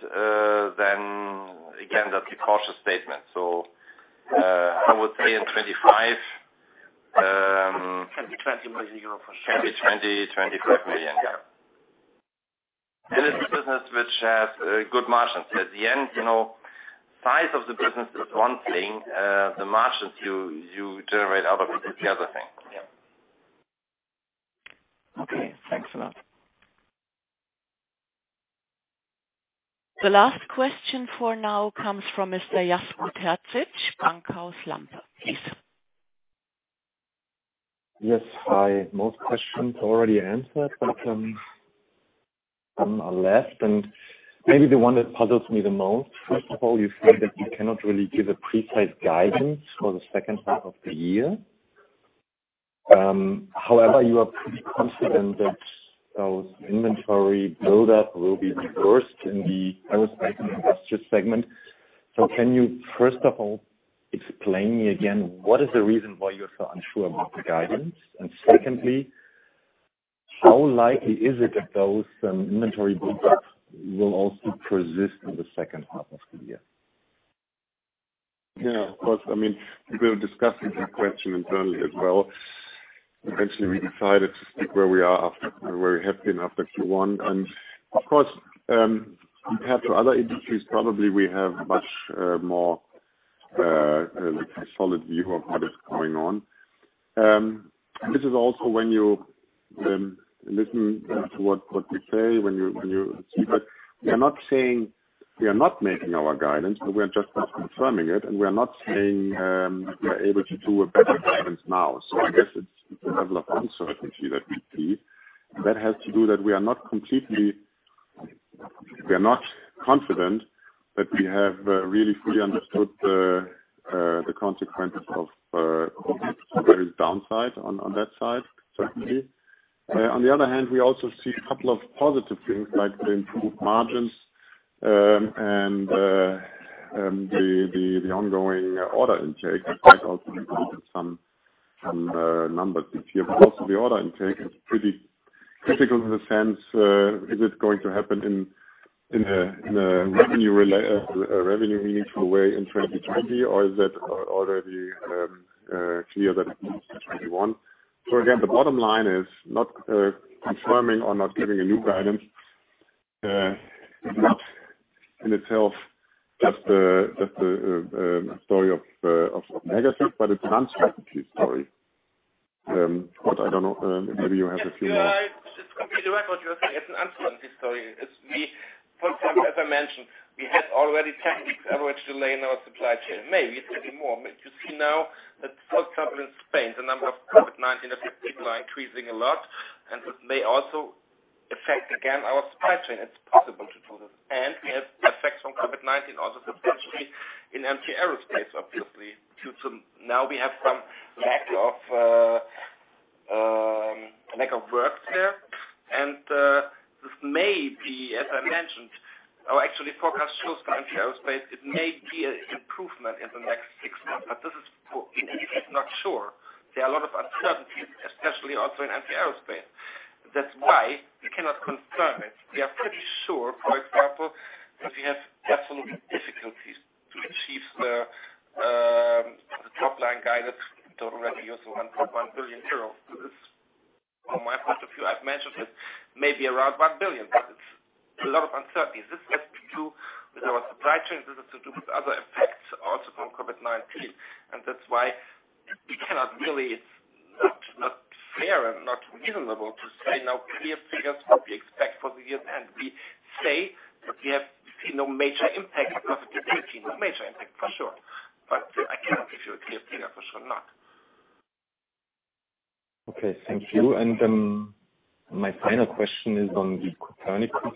then again, that's a cautious statement. I would say in 2025- Can be 20 million euros for sure. Can be 20 million-25 million. Yeah. It's a business which has good margins. At the end, size of the business is one thing, the margins you generate out of it is the other thing. Yeah. Okay. Thanks a lot. The last question for now comes from Mr. Jasko Terzic, Bankhaus Lampe. Please. Yes. Hi. Most questions already answered. Some are left, and maybe the one that puzzles me the most. First of all, you said that you cannot really give a precise guidance for the second half of the year. However, you are pretty confident that those inventory buildups will be reversed in the aerospace and investors segment. Can you, first of all, explain me again, what is the reason why you're so unsure about the guidance? Secondly, how likely is it that those inventory buildups will also persist in the second half of the year? Of course. We were discussing this question internally as well. Eventually, we decided to stick where we have been after Q1. Of course, compared to other industries, probably we have much more solid view of what is going on. This is also when you listen to what we say, when you see that we are not saying we are not making our guidance, but we are just not confirming it, and we are not saying we are able to do a better guidance now. I guess it's the level of uncertainty that we see. That has to do that we are not confident that we have really fully understood the consequences of it. There is downside on that side, certainly. On the other hand, we also see a couple of positive things like the improved margins and the ongoing order intake, despite also we deleted some numbers this year. Also the order intake is pretty critical in the sense, is it going to happen in a revenue meaningful way in 2020 or is that already clear that it moves to 2021? Again, the bottom line is not confirming or not giving a new guidance, is not in itself just a story of negative, but it's an uncertainty story. I don't know, maybe you have a few more. It's completely right what you're saying. It's an uncertainty story. For example, as I mentioned, we had already 10 weeks average delay in our supply chain. Maybe it's a bit more. You see now that for example, in Spain, the number of COVID-19 affected people are increasing a lot, and this may also affect again, our supply chain. It's possible to do this. We have effects from COVID-19 also potentially in MT Aerospace, obviously, due to now we have some lack of work there. This may be, as I mentioned, or actually forecast shows for MT Aerospace it may be a improvement in the next six months, this is not sure. There are a lot of uncertainties, especially also in MT Aerospace. That's why we cannot confirm it. We are pretty sure, for example, that we have absolute difficulties to achieve the top-line guidance, total revenues of 1.1 billion euro. This, from my point of view, I've mentioned it, may be around 1 billion, but it's a lot of uncertainties. This has to do with our supply chain. This has to do with other effects also from COVID-19. That's why it's not fair and not reasonable to say now clear figures what we expect for the year. We say that we have seen no major impact of activity. No major impact, for sure. I cannot give you a clear figure, for sure not. Okay, thank you. My final question is on the Copernicus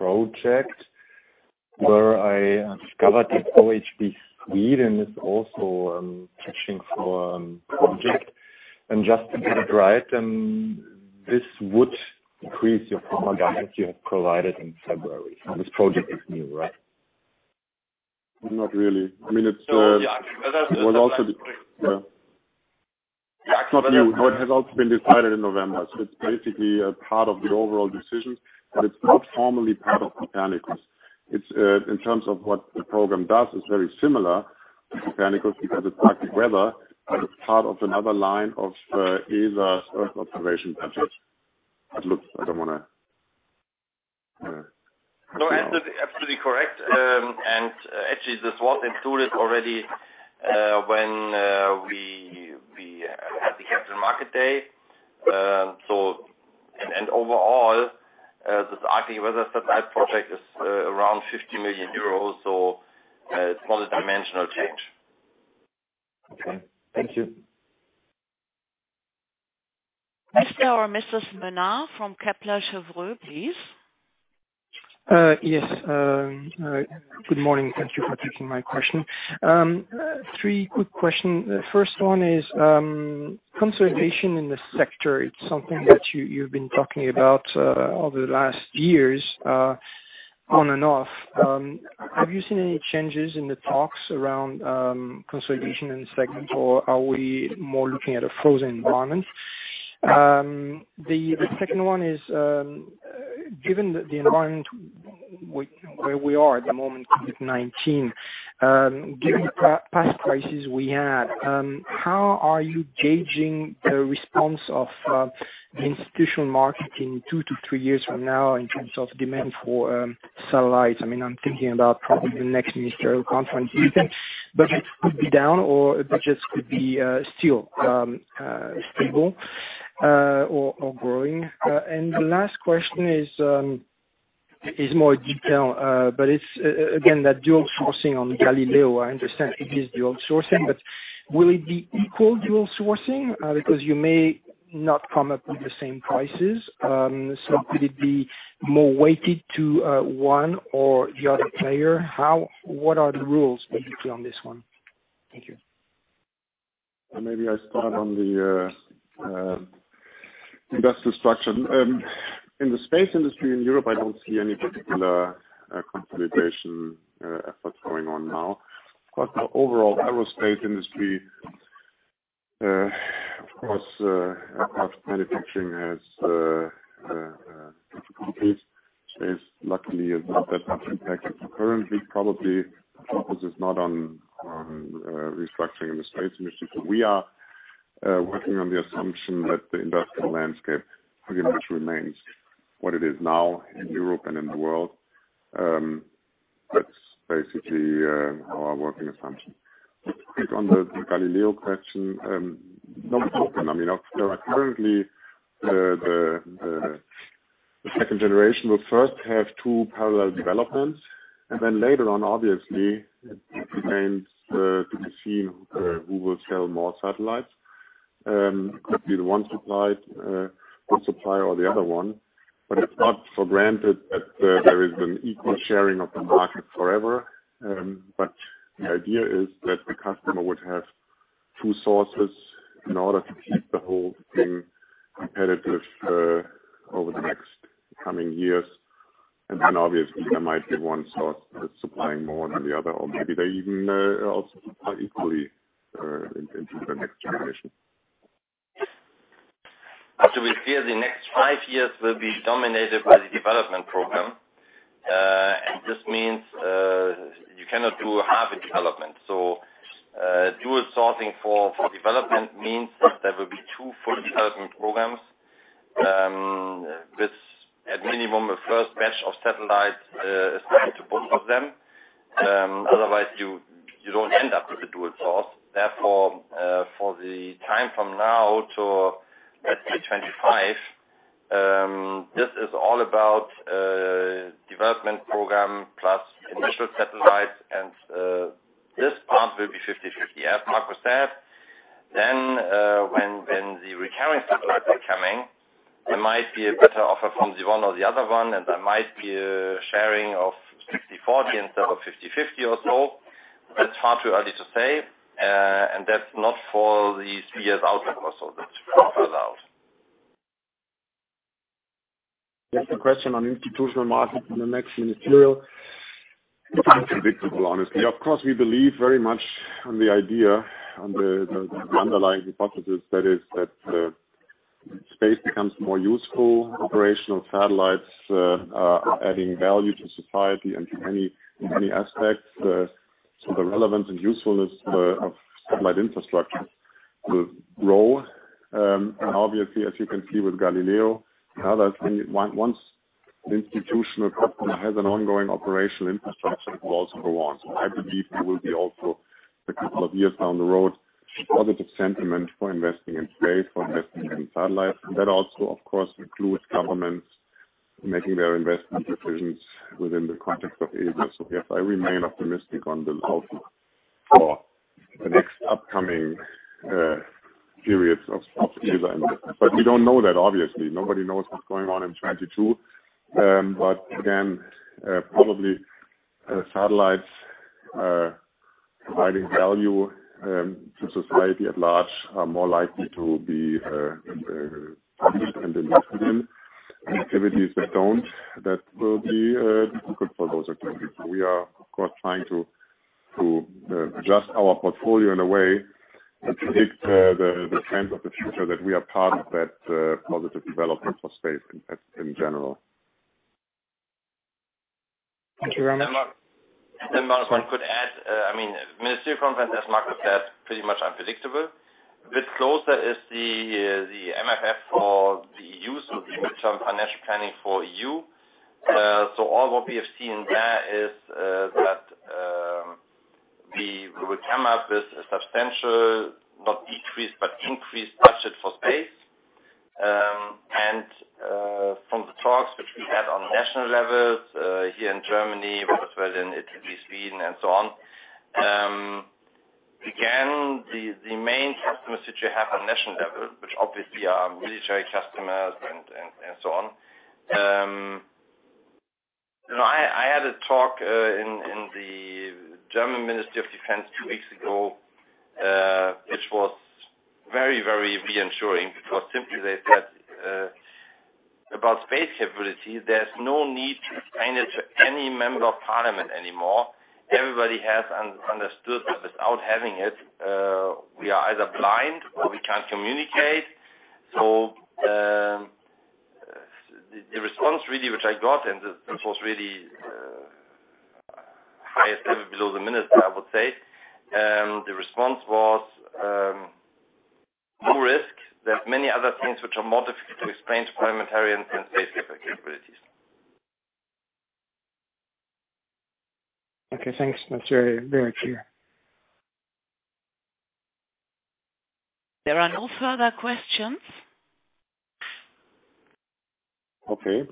project, where I discovered that OHB Sweden is also pitching for a project. Just to get it right, this would increase your former guidance you have provided in February. This project is new, right? Not really. Yeah. It's not new. No, it has also been decided in November. It's basically a part of the overall decisions, but it's not formally part of Copernicus. In terms of what the program does, it's very similar to Copernicus because it's Arctic Weather, but it's part of another line of ESA's Earth observation budget. No, absolutely correct. Actually, this was included already when we had the Capital Market Day. Overall, this Arctic Weather Satellite project is around 50 million euros, so it's not a dimensional change. Okay. Thank you. Mr. or Mrs. Menard from Kepler Cheuvreux, please. Yes. Good morning. Thank you for taking my question. Three quick question. First one is, consolidation in the sector. It's something that you've been talking about over the last years, on and off. Have you seen any changes in the talks around consolidation in the segment, or are we more looking at a frozen environment? The second one is, given the environment where we are at the moment with COVID-19, given past crises we had, how are you gauging the response of the institutional market in two to three years from now in terms of demand for satellites? I'm thinking about probably the next ministerial conference. Do you think budgets could be down or budgets could be still stable or growing? The last question is more detail. It's, again, that dual sourcing on Galileo. I understand it is dual sourcing, but will it be equal dual sourcing? Because you may not come up with the same prices. Could it be more weighted to one or the other player? What are the rules basically on this one? Thank you. Maybe I start on the investor structure. In the space industry in Europe, I don't see any particular consolidation efforts going on now. Of course, the overall aerospace industry, aircraft manufacturing has difficulties, which luckily is not that much impacted currently. Probably the focus is not on restructuring in the space industry. We are working on the assumption that the industrial landscape pretty much remains what it is now in Europe and in the world. That's basically our working assumption. To click on the Galileo question, currently, the second generation will first have two parallel developments. Then later on, obviously, it remains to be seen who will sell more satellites. Could be one supplier or the other one. It's not for granted that there is an equal sharing of the market forever. The idea is that the customer would have two sources in order to keep the whole thing competitive over the next coming years. Obviously, there might be one source that's supplying more than the other, or maybe they even also supply equally into the next generation. Actually, we feel the next five years will be dominated by the development program. This means you cannot do half a development. Dual sourcing for development means that there will be two full development programs. With at minimum, a first batch of satellites assigned to both of them. Otherwise, you don't end up with a dual source. Therefore, for the time from now to, let's say 2025, this is all about development program plus initial satellites, and this part will be 50/50. As Marco said, then when the recurring supplies are coming, there might be a better offer from the one or the other one, and there might be a sharing of 60/40 instead of 50/50 or so. That's far too early to say, and that's not for these three years outlook or so that offers out. There's a question on institutional market in the next ministerial. It's unpredictable, honestly. Of course, we believe very much on the idea, on the underlying hypothesis that is that space becomes more useful. Operational satellites are adding value to society and to many aspects. The relevance and usefulness of satellite infrastructure will grow. Obviously, as you can see with Galileo now, that once the institutional customer has an ongoing operational infrastructure, it will also go on. I believe there will be also, a couple of years down the road, positive sentiment for investing in space, for investing in satellites. That also, of course, includes governments making their investment decisions within the context of ESA. Yes, I remain optimistic on the outlook for the next upcoming periods of ESA. We don't know that obviously. Nobody knows what's going on in 2022. Again, probably satellites providing value to society at large are more likely to be funded and invested in. Activities that don't, that will be difficult for those activities. We are, of course, trying to adjust our portfolio in a way that predicts the trend of the future, that we are part of that positive development for space in general. Thank you very much. One could add, ministerial conference, as Marco said, pretty much unpredictable. A bit closer is the MFF for the use of the medium financial planning for EU. All what we have seen there is that we will come up with a substantial, not decreased, but increased budget for space. From the talks which we had on national levels here in Germany, Robert was in Italy, Sweden, and so on. Again, the main customers that you have are national level, which obviously are military customers and so on. I had a talk in the Federal Ministry of Defence two weeks ago, which was very reassuring because simply they said, about space capability, there's no need to explain it to any member of parliament anymore. Everybody has understood that without having it, we are either blind or we can't communicate. The response really which I got, and this was really highest level below the minister, I would say, the response was, no risk. There is many other things which are more difficult to explain to parliamentarians than space capabilities. Okay, thanks. That's very clear. There are no further questions. Okay.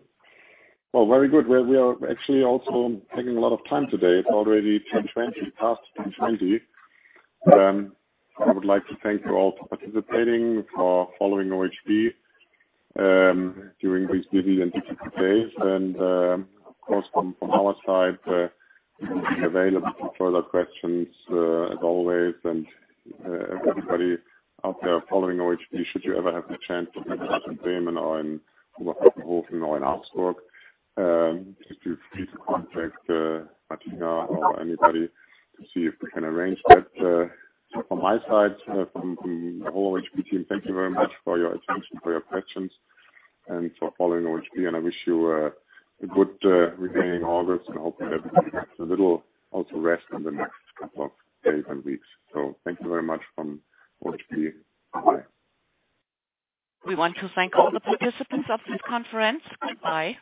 Well, very good. We are actually also taking a lot of time today. It's already 10:20 A.M., past 10:20 A.M. I would like to thank you all for participating, for following OHB during these busy and difficult days. Of course, from our side, we will be available for further questions as always. Everybody out there following OHB, should you ever have the chance to visit Bremen or in Ottobrunn or in Augsburg, just do please contact Martina or anybody to see if we can arrange that. From my side, from the whole OHB team, thank you very much for your attention, for your questions, and for following OHB, and I wish you a good remaining August and hope that you have a little also rest in the next couple of days and weeks. Thank you very much from OHB. Bye. We want to thank all the participants of this conference. Goodbye.